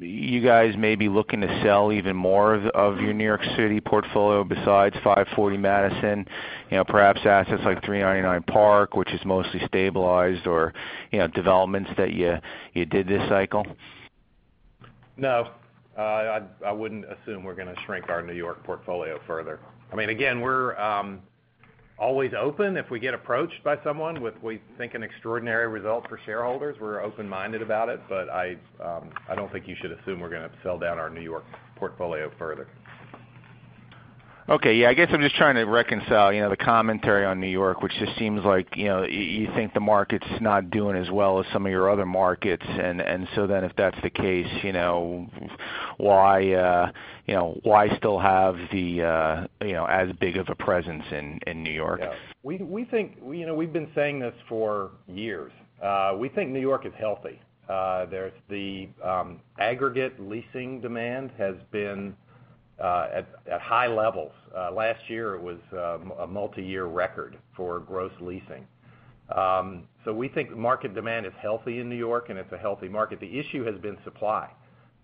you guys maybe looking to sell even more of your New York City portfolio besides 540 Madison? Perhaps assets like 399 Park, which is mostly stabilized, or developments that you did this cycle? No. I wouldn't assume we're going to shrink our New York portfolio further. Again, we're always open if we get approached by someone with, we think, an extraordinary result for shareholders. We're open-minded about it. I don't think you should assume we're going to sell down our New York portfolio further. Okay. Yeah, I guess I'm just trying to reconcile the commentary on New York, which just seems like you think the market's not doing as well as some of your other markets. If that's the case, why still have as big of a presence in New York? Yeah. We've been saying this for years. We think New York is healthy. The aggregate leasing demand has been at high levels. Last year, it was a multi-year record for gross leasing. We think market demand is healthy in New York and it's a healthy market. The issue has been supply.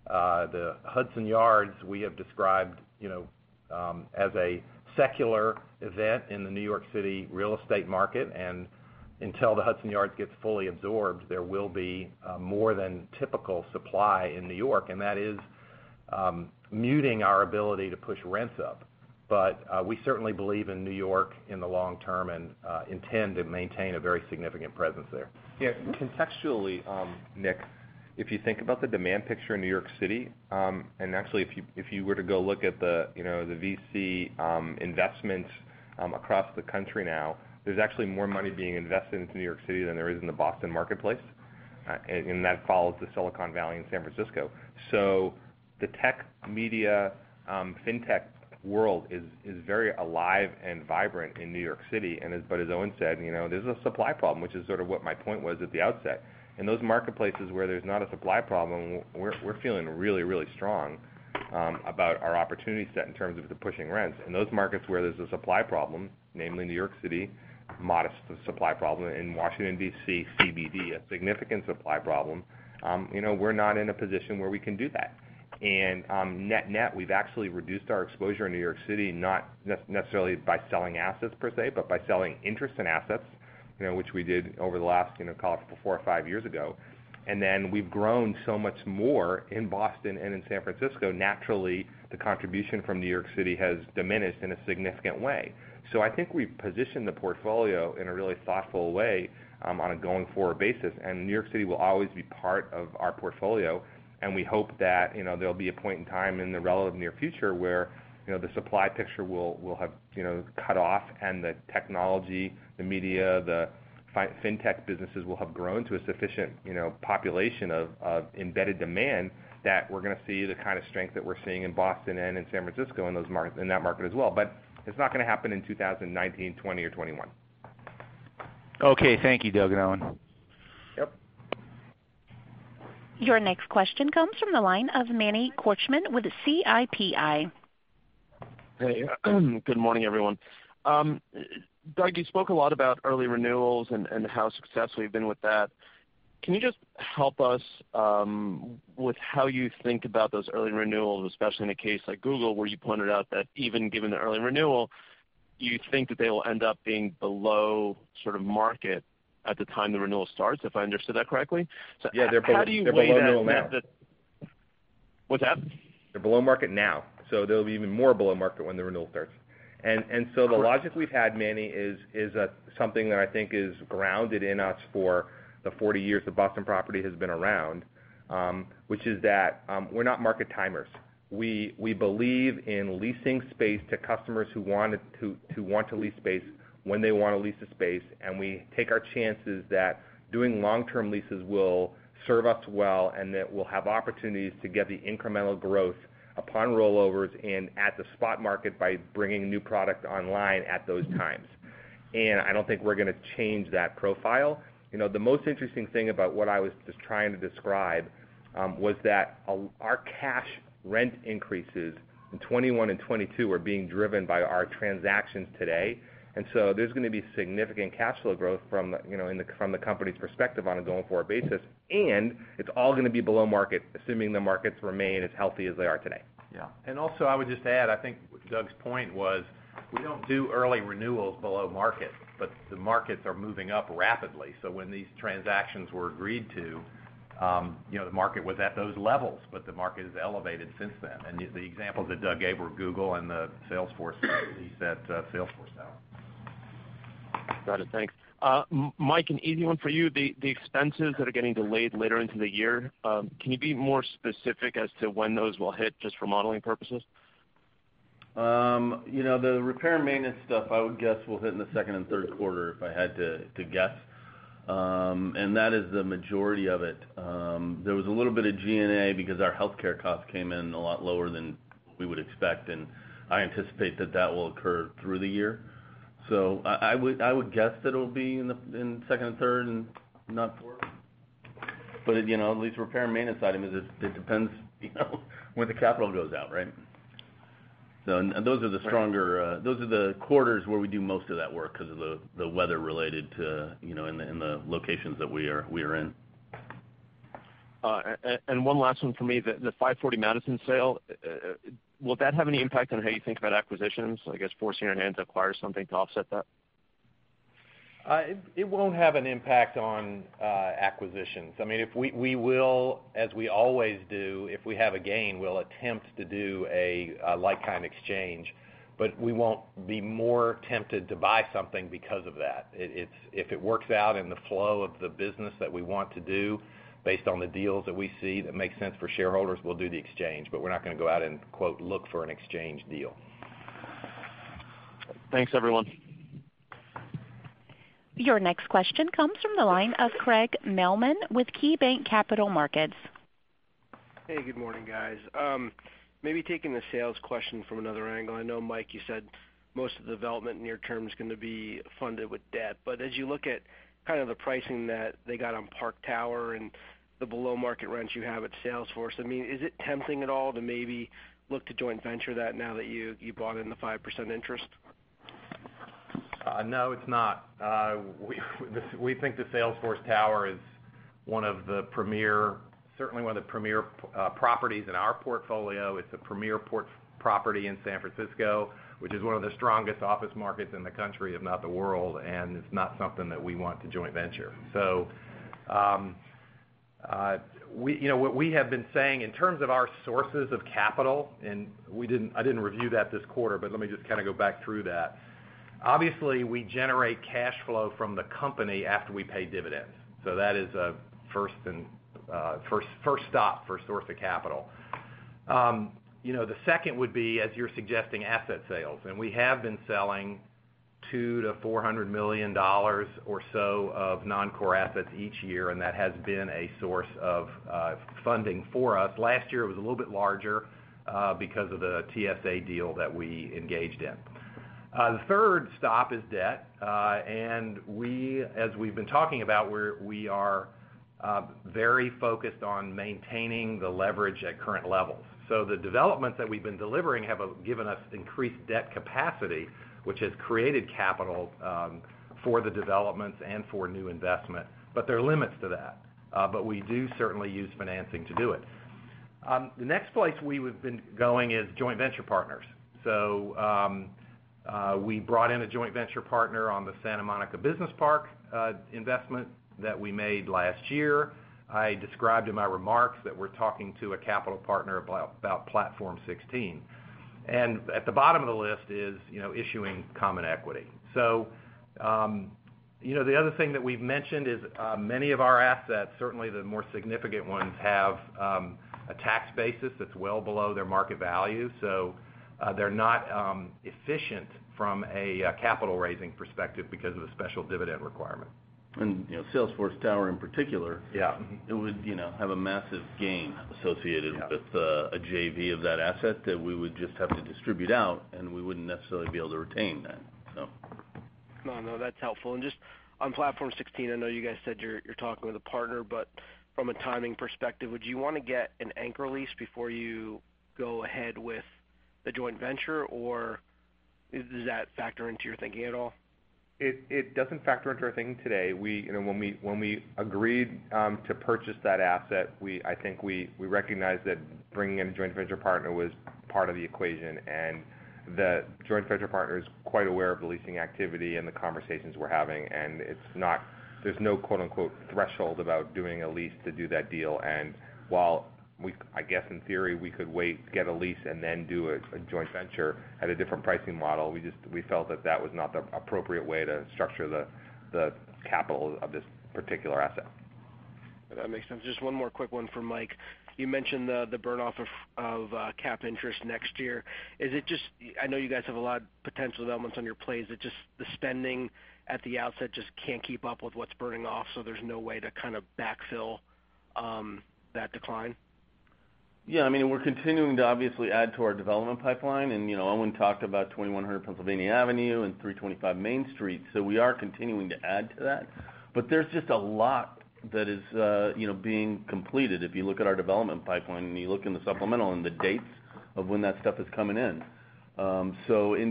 The Hudson Yards, we have described as a secular event in the New York City real estate market. Until the Hudson Yards gets fully absorbed, there will be more than typical supply in New York, and that is muting our ability to push rents up. We certainly believe in New York in the long term and intend to maintain a very significant presence there. Yeah. Contextually, Nick, if you think about the demand picture in New York City, if you were to go look at the VC investments across the country now, there's actually more money being invested into New York City than there is in the Boston marketplace. That follows the Silicon Valley and San Francisco. The tech media, fintech world is very alive and vibrant in New York City. As Owen said, there's a supply problem, which is sort of what my point was at the outset. In those marketplaces where there's not a supply problem, we're feeling really, really strong about our opportunity set in terms of the pushing rents. In those markets where there's a supply problem, namely New York City, modest supply problem in Washington, D.C., CBD, a significant supply problem. We're not in a position where we can do that. Net-net, we've actually reduced our exposure in New York City, not necessarily by selling assets per se, but by selling interest in assets, which we did over the last, call it four or five years ago. Then we've grown so much more in Boston and in San Francisco. Naturally, the contribution from New York City has diminished in a significant way. I think we've positioned the portfolio in a really thoughtful way, on a going-forward basis. New York City will always be part of our portfolio, and we hope that there'll be a point in time in the relevant near future where the supply picture will have cut off and the technology, the media, the fintech businesses will have grown to a sufficient population of embedded demand, that we're going to see the kind of strength that we're seeing in Boston and in San Francisco in that market as well. It's not going to happen in 2019, 2020, or 2021. Okay. Thank you, Doug and Owen. Yep. Your next question comes from the line of Manny Korchman with Citi. Hey. Good morning, everyone. Doug, you spoke a lot about early renewals and how successful you've been with that. Can you just help us with how you think about those early renewals, especially in a case like Google, where you pointed out that even given the early renewal, you think that they will end up being below sort of market at the time the renewal starts, if I understood that correctly? So how do you weigh that? Yeah, they're below market now. What's that? They're below market now, so they'll be even more below market when the renewal starts. The logic we've had, Manny, is that something that I think is grounded in us for the 40 years that Boston Properties has been around, which is that we're not market timers. We believe in leasing space to customers who want to lease space when they want to lease a space, and we take our chances that doing long-term leases will serve us well, and that we'll have opportunities to get the incremental growth upon rollovers and at the spot market by bringing new product online at those times. I don't think we're going to change that profile. The most interesting thing about what I was just trying to describe, was that our cash rent increases in 2021 and 2022 are being driven by our transactions today. There's going to be significant cash flow growth from the company's perspective on a going-forward basis, and it's all going to be below market, assuming the markets remain as healthy as they are today. Yeah. Also, I would just add, I think Doug's point was we don't do early renewals below market, the markets are moving up rapidly. When these transactions were agreed to, the market was at those levels, the market has elevated since then. The examples that Doug gave were Google and the Salesforce lease at Salesforce Tower. Got it, thanks. Mike, an easy one for you, the expenses that are getting delayed later into the year, can you be more specific as to when those will hit, just for modeling purposes? The repair and maintenance stuff I would guess will hit in the second and third quarter if I had to guess. That is the majority of it. There was a little bit of G&A because our healthcare costs came in a lot lower than we would expect, and I anticipate that that will occur through the year. I would guess that it'll be in second and third and not fourth. At least repair and maintenance items, it depends when the capital goes out, right? Those are the stronger quarters where we do most of that work because of the weather related to in the locations that we are in. One last one for me. The 540 Madison sale, will that have any impact on how you think about acquisitions, I guess, forcing your hand to acquire something to offset that? It won't have an impact on acquisitions. We will, as we always do, if we have a gain, we'll attempt to do a like-kind exchange. We won't be more tempted to buy something because of that. If it works out in the flow of the business that we want to do based on the deals that we see that make sense for shareholders, we'll do the exchange. We're not going to go out and quote, "Look for an exchange deal". Thanks, everyone. Your next question comes from the line of Craig Mailman with KeyBanc Capital Markets. Hey, good morning, guys. Maybe taking the sales question from another angle. I know, Mike, you said most of the development near term is going to be funded with debt. As you look at kind of the pricing that they got on Park Tower and the below-market rents you have at Salesforce, is it tempting at all to maybe look to joint venture that now that you bought in the 5% interest? No, it's not. We think the Salesforce Tower is certainly one of the premier properties in our portfolio. It's a premier property in San Francisco, which is one of the strongest office markets in the country, if not the world, and it's not something that we want to joint venture. What we have been saying in terms of our sources of capital, I didn't review that this quarter, let me just kind of go back through that. Obviously, we generate cash flow from the company after we pay dividends. That is a first stop, first source of capital. The second would be, as you're suggesting, asset sales. We have been selling $200 million-$400 million or so of non-core assets each year, and that has been a source of funding for us. Last year, it was a little bit larger because of the TSA deal that we engaged in. The third stop is debt. As we've been talking about, we are very focused on maintaining the leverage at current levels. The developments that we've been delivering have given us increased debt capacity, which has created capital for the developments and for new investment, there are limits to that. We do certainly use financing to do it. The next place we have been going is joint venture partners. We brought in a joint venture partner on the Santa Monica Business Park investment that we made last year. I described in my remarks that we're talking to a capital partner about Platform 16. At the bottom of the list is issuing common equity. The other thing that we've mentioned is many of our assets, certainly the more significant ones, have a tax basis that's well below their market value. They're not efficient from a capital-raising perspective because of the special dividend requirement. Salesforce Tower in particular. Yeah It would have a massive gain associated. Yeah With a JV of that asset that we would just have to distribute out, and we wouldn't necessarily be able to retain that. Just on Platform 16, I know you guys said you're talking with a partner, from a timing perspective, would you want to get an anchor lease before you go ahead with the joint venture, or does that factor into your thinking at all? It doesn't factor into our thinking today. When we agreed to purchase that asset, I think we recognized that bringing in a joint venture partner was part of the equation. The joint venture partner is quite aware of the leasing activity and the conversations we're having. There's no "threshold" about doing a lease to do that deal. While, I guess in theory, we could wait to get a lease and then do a joint venture at a different pricing model, we felt that that was not the appropriate way to structure the capital of this particular asset. That makes sense. Just one more quick one from Mike. You mentioned the burn-off of cap interest next year. I know you guys have a lot of potential developments on your plates, the spending at the outset just can't keep up with what's burning off, there's no way to backfill that decline? Yeah, we're continuing to obviously add to our development pipeline. Owen talked about 2100 Pennsylvania Avenue and 325 Main Street. We are continuing to add to that. There's just a lot that is being completed. If you look at our development pipeline, you look in the supplemental and the dates of when that stuff is coming in. In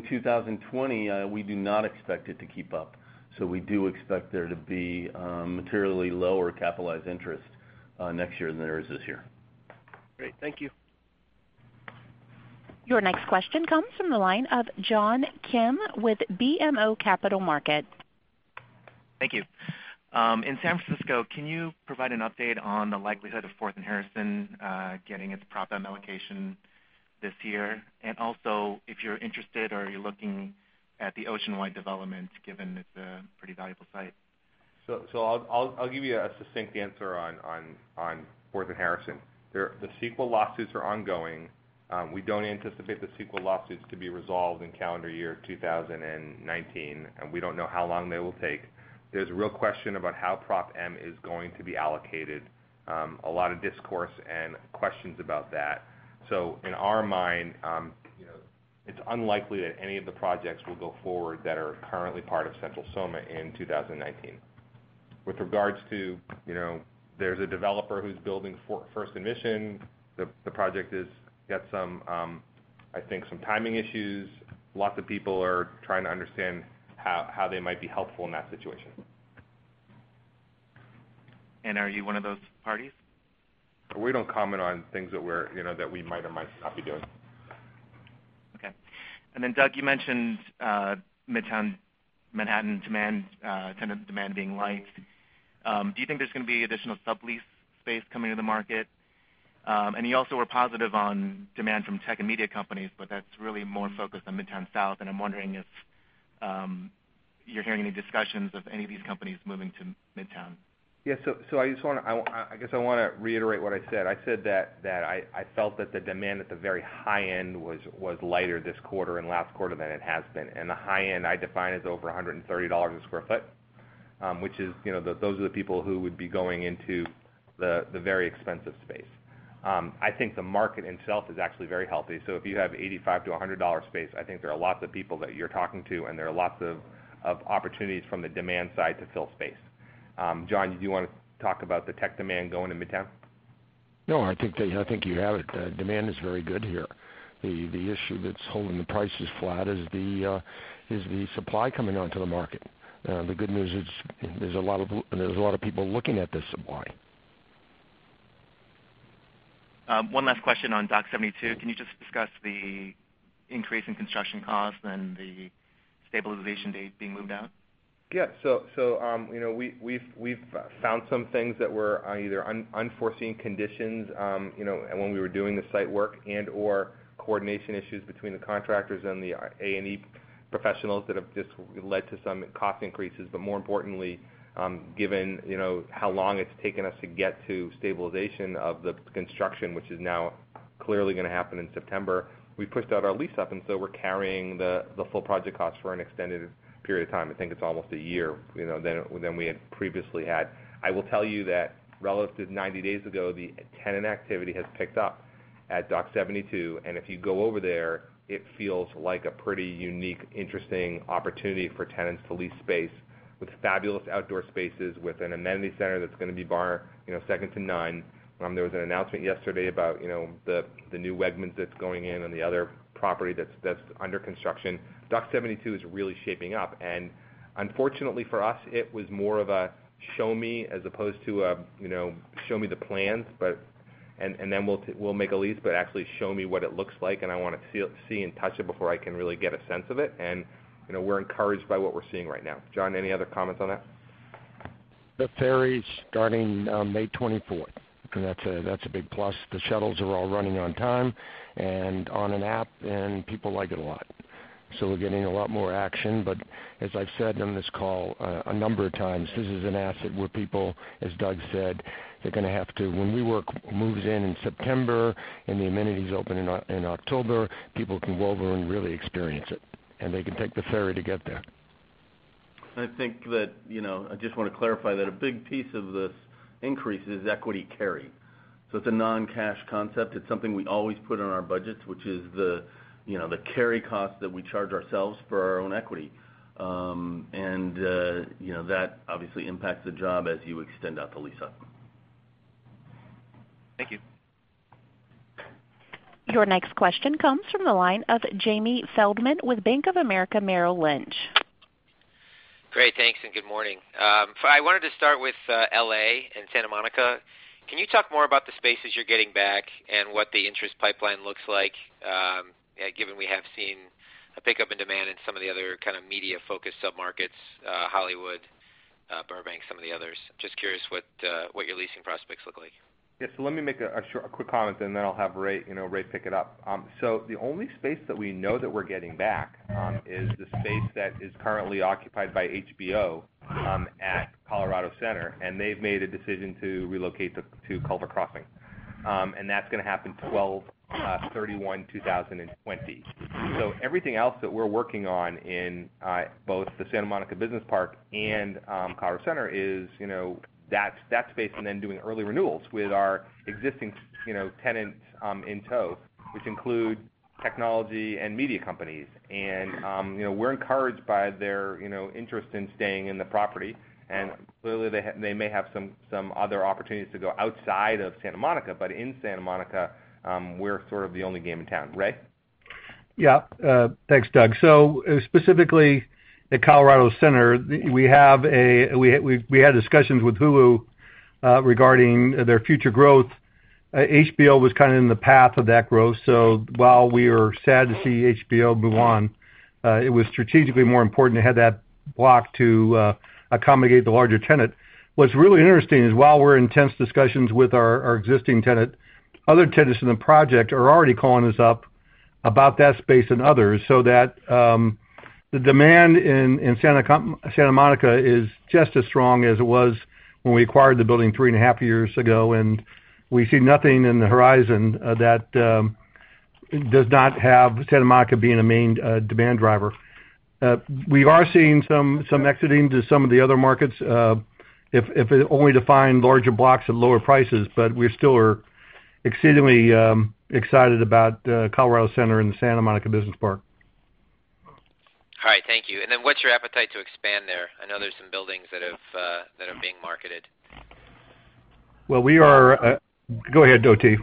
2020, we do not expect it to keep up. We do expect there to be materially lower capitalized interest next year than there is this year. Great. Thank you. Your next question comes from the line of John Kim with BMO Capital Markets. Thank you. In San Francisco, can you provide an update on the likelihood of 4th and Harrison getting its Prop M allocation this year? If you're interested, are you looking at the Oceanwide Development, given it's a pretty valuable site? I'll give you a succinct answer on 4th and Harrison. The CEQA lawsuits are ongoing. We don't anticipate the CEQA lawsuits to be resolved in calendar year 2019, and we don't know how long they will take. There's a real question about how Prop M is going to be allocated. A lot of discourse and questions about that. In our mind, it's unlikely that any of the projects will go forward that are currently part of Central SoMa in 2019. With regards to there's a developer who's building First and Mission. The project has got some timing issues. Lots of people are trying to understand how they might be helpful in that situation. Are you one of those parties? We don't comment on things that we might or might not be doing. Okay. Doug, you mentioned Midtown Manhattan tenant demand being light. Do you think there's going to be additional sublease space coming to the market? You also were positive on demand from tech and media companies, but that's really more focused on Midtown South, and I'm wondering if you're hearing any discussions of any of these companies moving to Midtown. Yeah. I guess I want to reiterate what I said. I said that I felt that the demand at the very high end was lighter this quarter and last quarter than it has been. The high end I define as over $130 a sq ft. Those are the people who would be going into the very expensive space. I think the market itself is actually very healthy. If you have $85-$100 space, I think there are lots of people that you're talking to, and there are lots of opportunities from the demand side to fill space. John, did you want to talk about the tech demand going in Midtown? No, I think you have it. Demand is very good here. The issue that's holding the prices flat is the supply coming onto the market. The good news is there's a lot of people looking at this supply. One last question on Dock 72. Can you just discuss the increase in construction costs and the stabilization date being moved out? Yeah. We've found some things that were either unforeseen conditions when we were doing the site work and/or coordination issues between the contractors and the A&E professionals that have just led to some cost increases. More importantly, given how long it's taken us to get to stabilization of the construction, which is now clearly going to happen in September, we pushed out our lease-up, and so we're carrying the full project cost for an extended period of time. I think it's almost a year than we had previously had. I will tell you that relative to 90 days ago, the tenant activity has picked up at Dock 72, and if you go over there, it feels like a pretty unique, interesting opportunity for tenants to lease space with fabulous outdoor spaces, with an amenity center that's going to be bar second to none. There was an announcement yesterday about the new Wegmans that's going in and the other property that's under construction. Dock 72 is really shaping up, and unfortunately for us, it was more of a show me as opposed to a show me the plans, and then we'll make a lease, but actually show me what it looks like, and I want to see and touch it before I can really get a sense of it. We're encouraged by what we're seeing right now. John, any other comments on that? The ferry's starting May 24th. That's a big plus. The shuttles are all running on time and on an app, and people like it a lot. We're getting a lot more action, as I've said on this call a number of times, this is an asset where people, as Doug said, they're going to have to, when WeWork moves in in September and the amenities open in October, people can go over and really experience it, and they can take the ferry to get there. I think that I just want to clarify that a big piece of this increase is equity carry. It's a non-cash concept. It's something we always put in our budgets, which is the carry cost that we charge ourselves for our own equity. That obviously impacts the job as you extend out the lease-out. Thank you. Your next question comes from the line of Jamie Feldman with Bank of America Merrill Lynch. Great. Thanks, and good morning. I wanted to start with L.A. and Santa Monica. Can you talk more about the spaces you're getting back and what the interest pipeline looks like, given we have seen a pickup in demand in some of the other kind of media-focused sub-markets, Hollywood, Burbank, some of the others. Just curious what your leasing prospects look like. Yeah. Let me make a quick comment, and then I'll have Ray pick it up. The only space that we know that we're getting back is the space that is currently occupied by HBO at Colorado Center, and they've made a decision to relocate to Culver Crossing. That's going to happen 12/31/2020. Everything else that we're working on in both the Santa Monica Business Park and Colorado Center is that space and then doing early renewals with our existing tenants in tow, which include technology and media companies. We're encouraged by their interest in staying in the property. Clearly, they may have some other opportunities to go outside of Santa Monica, but in Santa Monica, we're sort of the only game in town. Ray? Yeah. Thanks, Doug. Specifically at Colorado Center, we had discussions with Hulu regarding their future growth. HBO was kind of in the path of that growth, so while we are sad to see HBO move on, it was strategically more important to have that block to accommodate the larger tenant. What's really interesting is while we're in intense discussions with our existing tenant, other tenants in the project are already calling us up about that space and others, so that the demand in Santa Monica is just as strong as it was when we acquired the building three and a half years ago, and we see nothing in the horizon that does not have Santa Monica being a main demand driver. We are seeing some exiting to some of the other markets, if only to find larger blocks at lower prices. We still are exceedingly excited about Colorado Center and the Santa Monica Business Park. All right. Thank you. Then what's your appetite to expand there? I know there's some buildings that are being marketed. Well, go ahead, OT.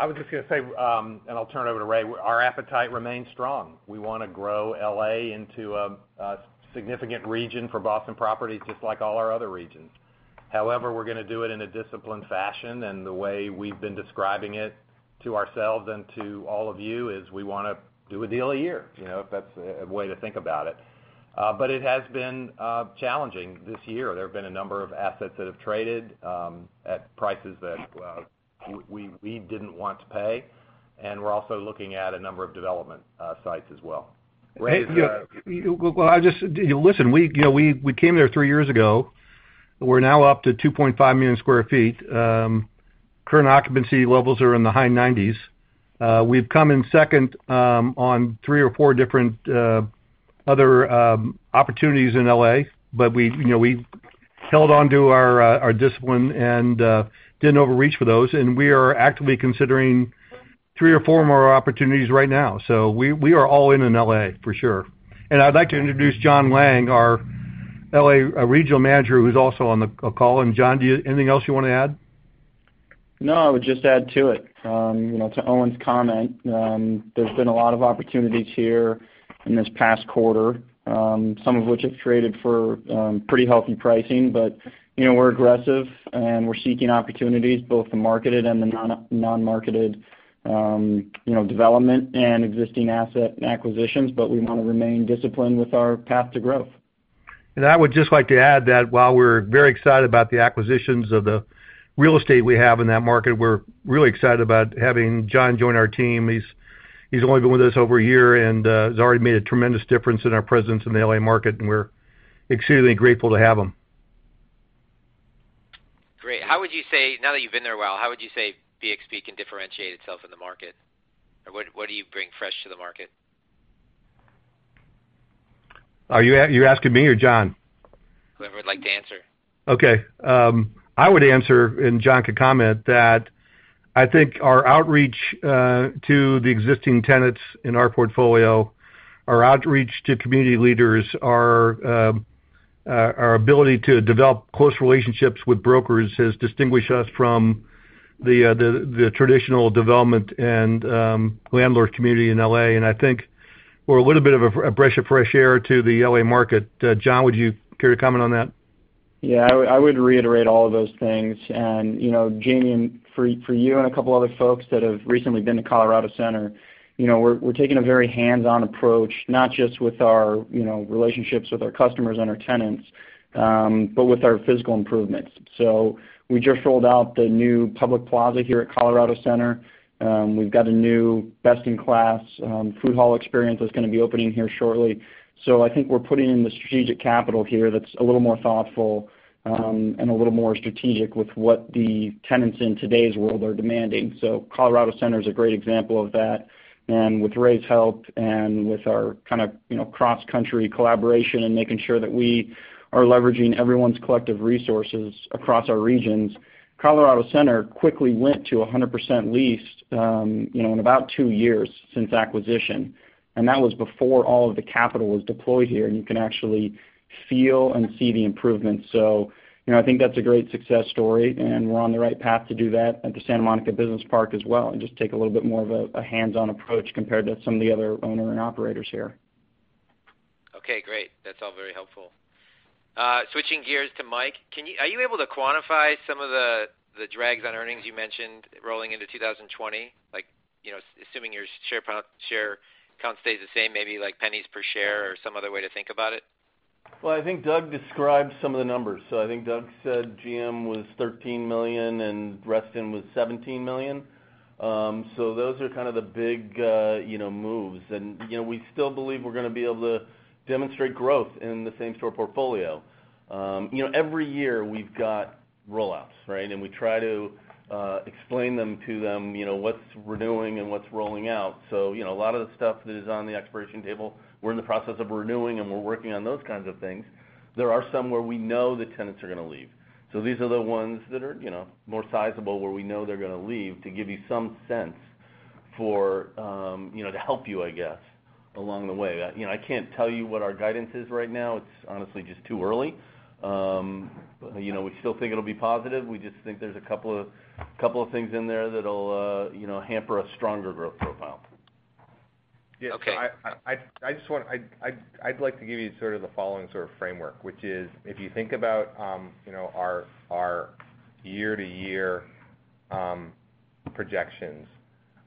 I was just going to say, and I'll turn it over to Ray. Our appetite remains strong. We want to grow L.A. into a significant region for Boston Properties, just like all our other regions. However, we're going to do it in a disciplined fashion, and the way we've been describing it to ourselves and to all of you is we want to do a deal a year, if that's a way to think about it. It has been challenging this year. There have been a number of assets that have traded at prices that we didn't want to pay, and we're also looking at a number of development sites as well. Well, listen, we came there three years ago. We're now up to 2.5 million sq ft. Current occupancy levels are in the high 90s. We've come in second on three or four different other opportunities in L.A., but we've held onto our discipline and didn't overreach for those, and we are actively considering three or four more opportunities right now. We are all in in L.A., for sure. I'd like to introduce Jon Lange, our L.A. regional manager, who's also on the call. Jon, anything else you want to add? No, I would just add to it, to Owen's comment. There's been a lot of opportunities here in this past quarter, some of which have traded for pretty healthy pricing. We're aggressive, and we're seeking opportunities, both the marketed and the non-marketed development and existing asset acquisitions. We want to remain disciplined with our path to growth. I would just like to add that while we're very excited about the acquisitions of the real estate we have in that market, we're really excited about having Jon join our team. He's only been with us over a year and has already made a tremendous difference in our presence in the L.A. market, and we're extremely grateful to have him. Great. Now that you've been there a while, how would you say BXP can differentiate itself in the market? What do you bring fresh to the market? Are you asking me or Jon? Whoever would like to answer. Okay. I would answer, and Jon could comment, that I think our outreach to the existing tenants in our portfolio, our outreach to community leaders, our ability to develop close relationships with brokers has distinguished us from the traditional development and landlord community in L.A., and I think we're a little bit of a breath of fresh air to the L.A. market. Jon, would you care to comment on that? Yeah, I would reiterate all of those things. Jamie, for you and a couple other folks that have recently been to Colorado Center, we're taking a very hands-on approach, not just with our relationships with our customers and our tenants, but with our physical improvements. We just rolled out the new public plaza here at Colorado Center. We've got a new best-in-class food hall experience that's going to be opening here shortly. I think we're putting in the strategic capital here that's a little more thoughtful and a little more strategic with what the tenants in today's world are demanding. Colorado Center is a great example of that. With Ray's help and with our kind of cross-country collaboration and making sure that we are leveraging everyone's collective resources across our regions, Colorado Center quickly went to 100% leased in about two years since acquisition. That was before all of the capital was deployed here, and you can actually feel and see the improvements. I think that's a great success story, and we're on the right path to do that at the Santa Monica Business Park as well, and just take a little bit more of a hands-on approach compared to some of the other owner and operators here. Okay, great. That's all very helpful. Switching gears to Mike, are you able to quantify some of the drags on earnings you mentioned rolling into 2020? Like, assuming your share count stays the same, maybe like pennies per share or some other way to think about it? I think Doug described some of the numbers. I think Doug said, GM was $13 million and Reston was $17 million. Those are kind of the big moves. We still believe we're going to be able to demonstrate growth in the same-store portfolio. Every year we've got roll-outs, right? We try to explain them to them, what's renewing and what's rolling out. A lot of the stuff that is on the expiration table, we're in the process of renewing, and we're working on those kinds of things. There are some where we know the tenants are going to leave. These are the ones that are more sizable, where we know they're going to leave, to give you some sense to help you, I guess, along the way. I can't tell you what our guidance is right now. It's honestly just too early. We still think it'll be positive. We just think there's a couple of things in there that'll hamper a stronger growth profile. Okay. I'd like to give you sort of the following sort of framework, which is, if you think about our year-to-year projections,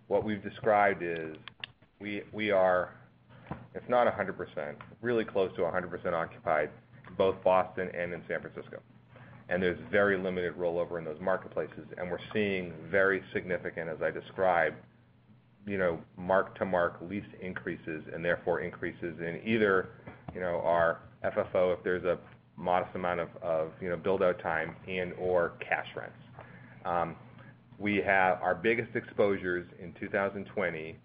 what we've described is we are, if not 100%, really close to 100% occupied, both Boston and in San Francisco. There's very limited rollover in those marketplaces. We're seeing very significant, as I described, mark-to-mark lease increases, and therefore increases in either our FFO, if there's a modest amount of build-out time and/or cash rents. We have our biggest exposures in 2020,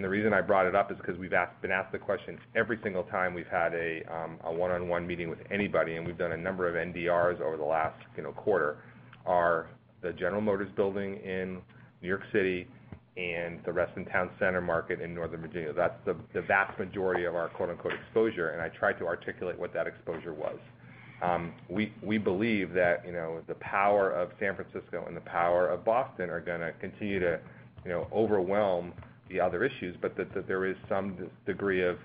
the reason I brought it up is because we've been asked the question every single time we've had a one-on-one meeting with anybody, and we've done a number of NDRs over the last quarter, are the General Motors building in New York City and the Reston Town Center market in Northern Virginia. That's the vast majority of our quote-unquote, exposure. I tried to articulate what that exposure was. We believe that the power of San Francisco and the power of Boston are going to continue to overwhelm the other issues, but that there is some degree of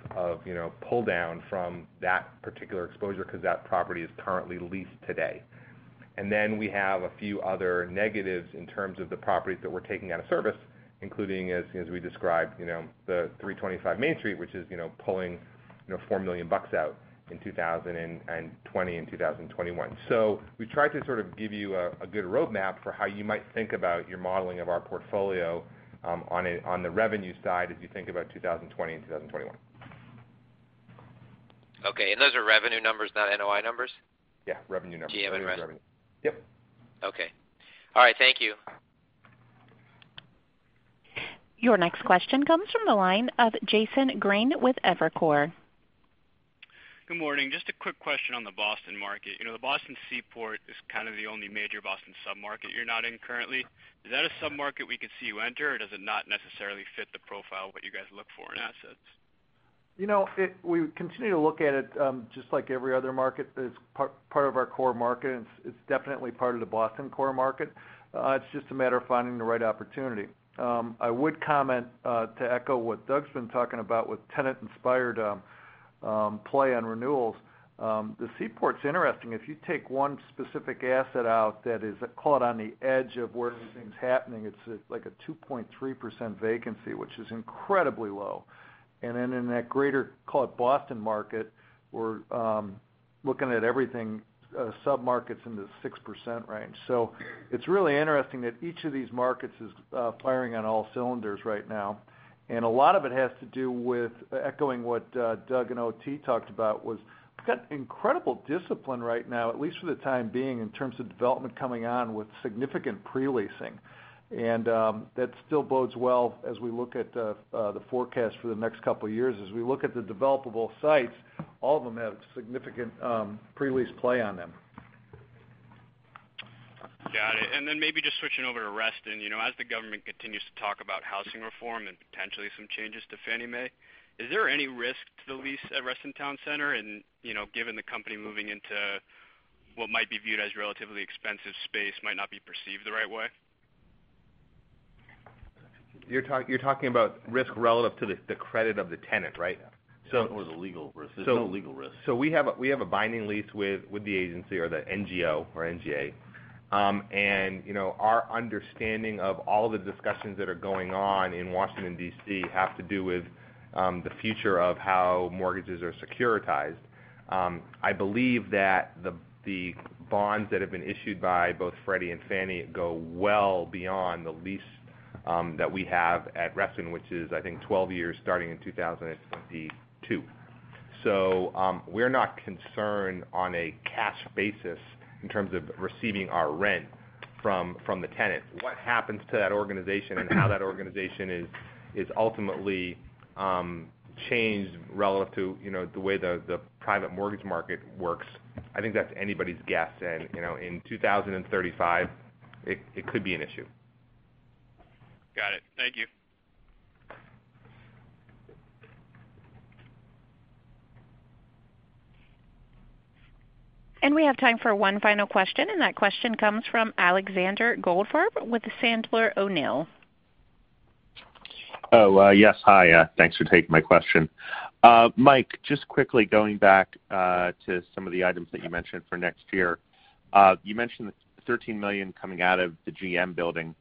pull-down from that particular exposure because that property is currently leased today. We have a few other negatives in terms of the properties that we're taking out of service, including, as we described, the 325 Main Street, which is pulling $4 million out in 2020 and 2021. We tried to sort of give you a good roadmap for how you might think about your modeling of our portfolio on the revenue side as you think about 2020 and 2021. Okay. Those are revenue numbers, not NOI numbers? Yeah. Revenue numbers. GM and rest. Yep. Okay. All right. Thank you. Your next question comes from the line of Jason Green with Evercore. Good morning. Just a quick question on the Boston market. The Boston Seaport is kind of the only major Boston sub-market you're not in currently. Is that a sub-market we could see you enter, or does it not necessarily fit the profile of what you guys look for in assets? We continue to look at it just like every other market that's part of our core market. It's definitely part of the Boston core market. It's just a matter of finding the right opportunity. I would comment, to echo what Doug's been talking about with tenant-inspired play on renewals, the Seaport's interesting. If you take one specific asset out that is caught on the edge of where everything's happening, it's like a 2.3% vacancy, which is incredibly low. Then in that greater call it Boston market, we're looking at everything, sub-markets in the 6% range. It's really interesting that each of these markets is firing on all cylinders right now. A lot of it has to do with echoing what Doug and OT talked about was, we've got incredible discipline right now, at least for the time being, in terms of development coming on with significant pre-leasing. That still bodes well as we look at the forecast for the next couple of years. As we look at the developable sites, all of them have significant pre-lease play on them. Got it. Maybe just switching over to Reston. As the government continues to talk about housing reform and potentially some changes to Freddie and Fannie, is there any risk to the lease at Reston Town Center and, given the company moving into what might be viewed as relatively expensive space, might not be perceived the right way? You're talking about risk relative to the credit of the tenant, right? The legal risk. There's no legal risk. We have a binding lease with the agency or the NGO or NGA. Our understanding of all the discussions that are going on in Washington, D.C., have to do with the future of how mortgages are securitized. I believe that the bonds that have been issued by both Freddie and Fannie go well beyond the lease that we have at Reston, which is I think 12 years starting in 2022. We're not concerned on a cash basis in terms of receiving our rent from the tenant. What happens to that organization and how that organization is ultimately changed relative to the way the private mortgage market works, I think that's anybody's guess. In 2035, it could be an issue. Got it. Thank you. We have time for one final question. That question comes from Alexander Goldfarb with Sandler O'Neill. Oh, yes. Hi, thanks for taking my question. Mike, just quickly going back to some of the items that you mentioned for next year. You mentioned the $13 million coming out of the GM Building.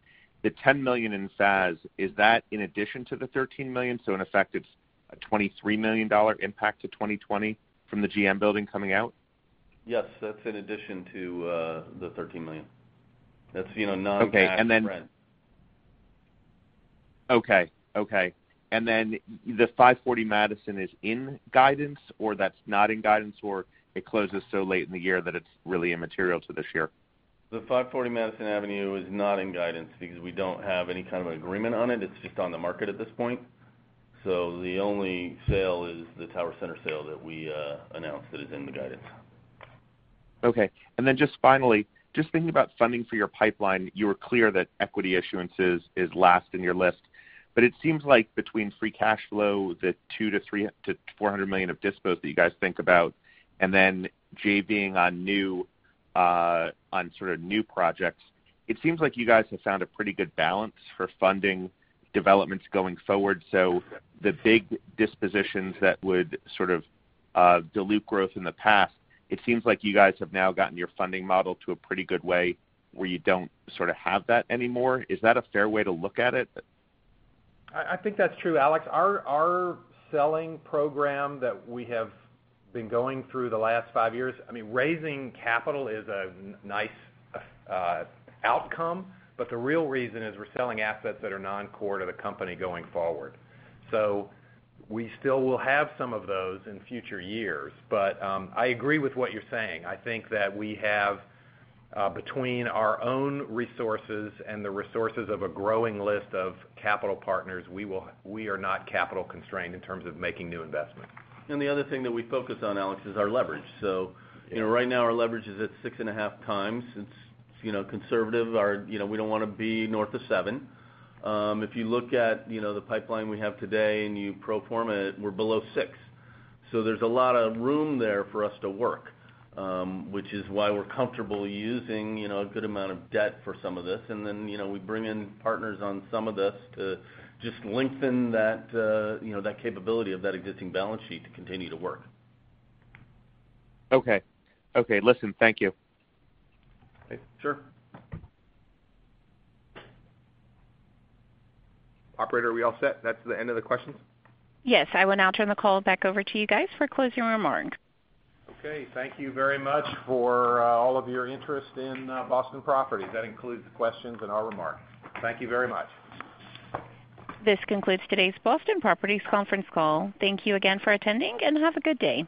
The $10 million in FAS, is that in addition to the $13 million? In effect, it's a $23 million impact to 2020 from the GM Building coming out? Yes, that's in addition to the $13 million. That's non-cash rent. Okay. The 540 Madison is in guidance, or that's not in guidance, or it closes so late in the year that it's really immaterial to this year? The 540 Madison Avenue is not in guidance because we don't have any kind of agreement on it. It's just on the market at this point. The only sale is the Tower Center sale that we announced that is in the guidance. Okay. Just finally, just thinking about funding for your pipeline, you were clear that equity issuance is last in your list, but it seems like between free cash flow, the $200 million-$400 million of dispos that you guys think about, and then JV-ing on sort of new projects, it seems like you guys have found a pretty good balance for funding developments going forward. The big dispositions that would sort of dilute growth in the past, it seems like you guys have now gotten your funding model to a pretty good way, where you don't sort of have that anymore. Is that a fair way to look at it? I think that's true, Alex. Our selling program that we have been going through the last five years, raising capital is a nice outcome, but the real reason is we're selling assets that are non-core to the company going forward. We still will have some of those in future years. I agree with what you're saying. I think that we have, between our own resources and the resources of a growing list of capital partners, we are not capital constrained in terms of making new investments. The other thing that we focus on, Alex, is our leverage. Right now our leverage is at 6.5x. It's conservative. We don't want to be north of seven. If you look at the pipeline we have today, and you pro forma it, we're below six. There's a lot of room there for us to work, which is why we're comfortable using a good amount of debt for some of this. We bring in partners on some of this to just lengthen that capability of that existing balance sheet to continue to work. Okay. Listen, thank you. Sure. Operator, are we all set? That's the end of the questions? Yes, I will now turn the call back over to you guys for closing remarks. Okay, thank you very much for all of your interest in Boston Properties. That concludes the questions and our remarks. Thank you very much. This concludes today's Boston Properties conference call. Thank you again for attending, and have a good day.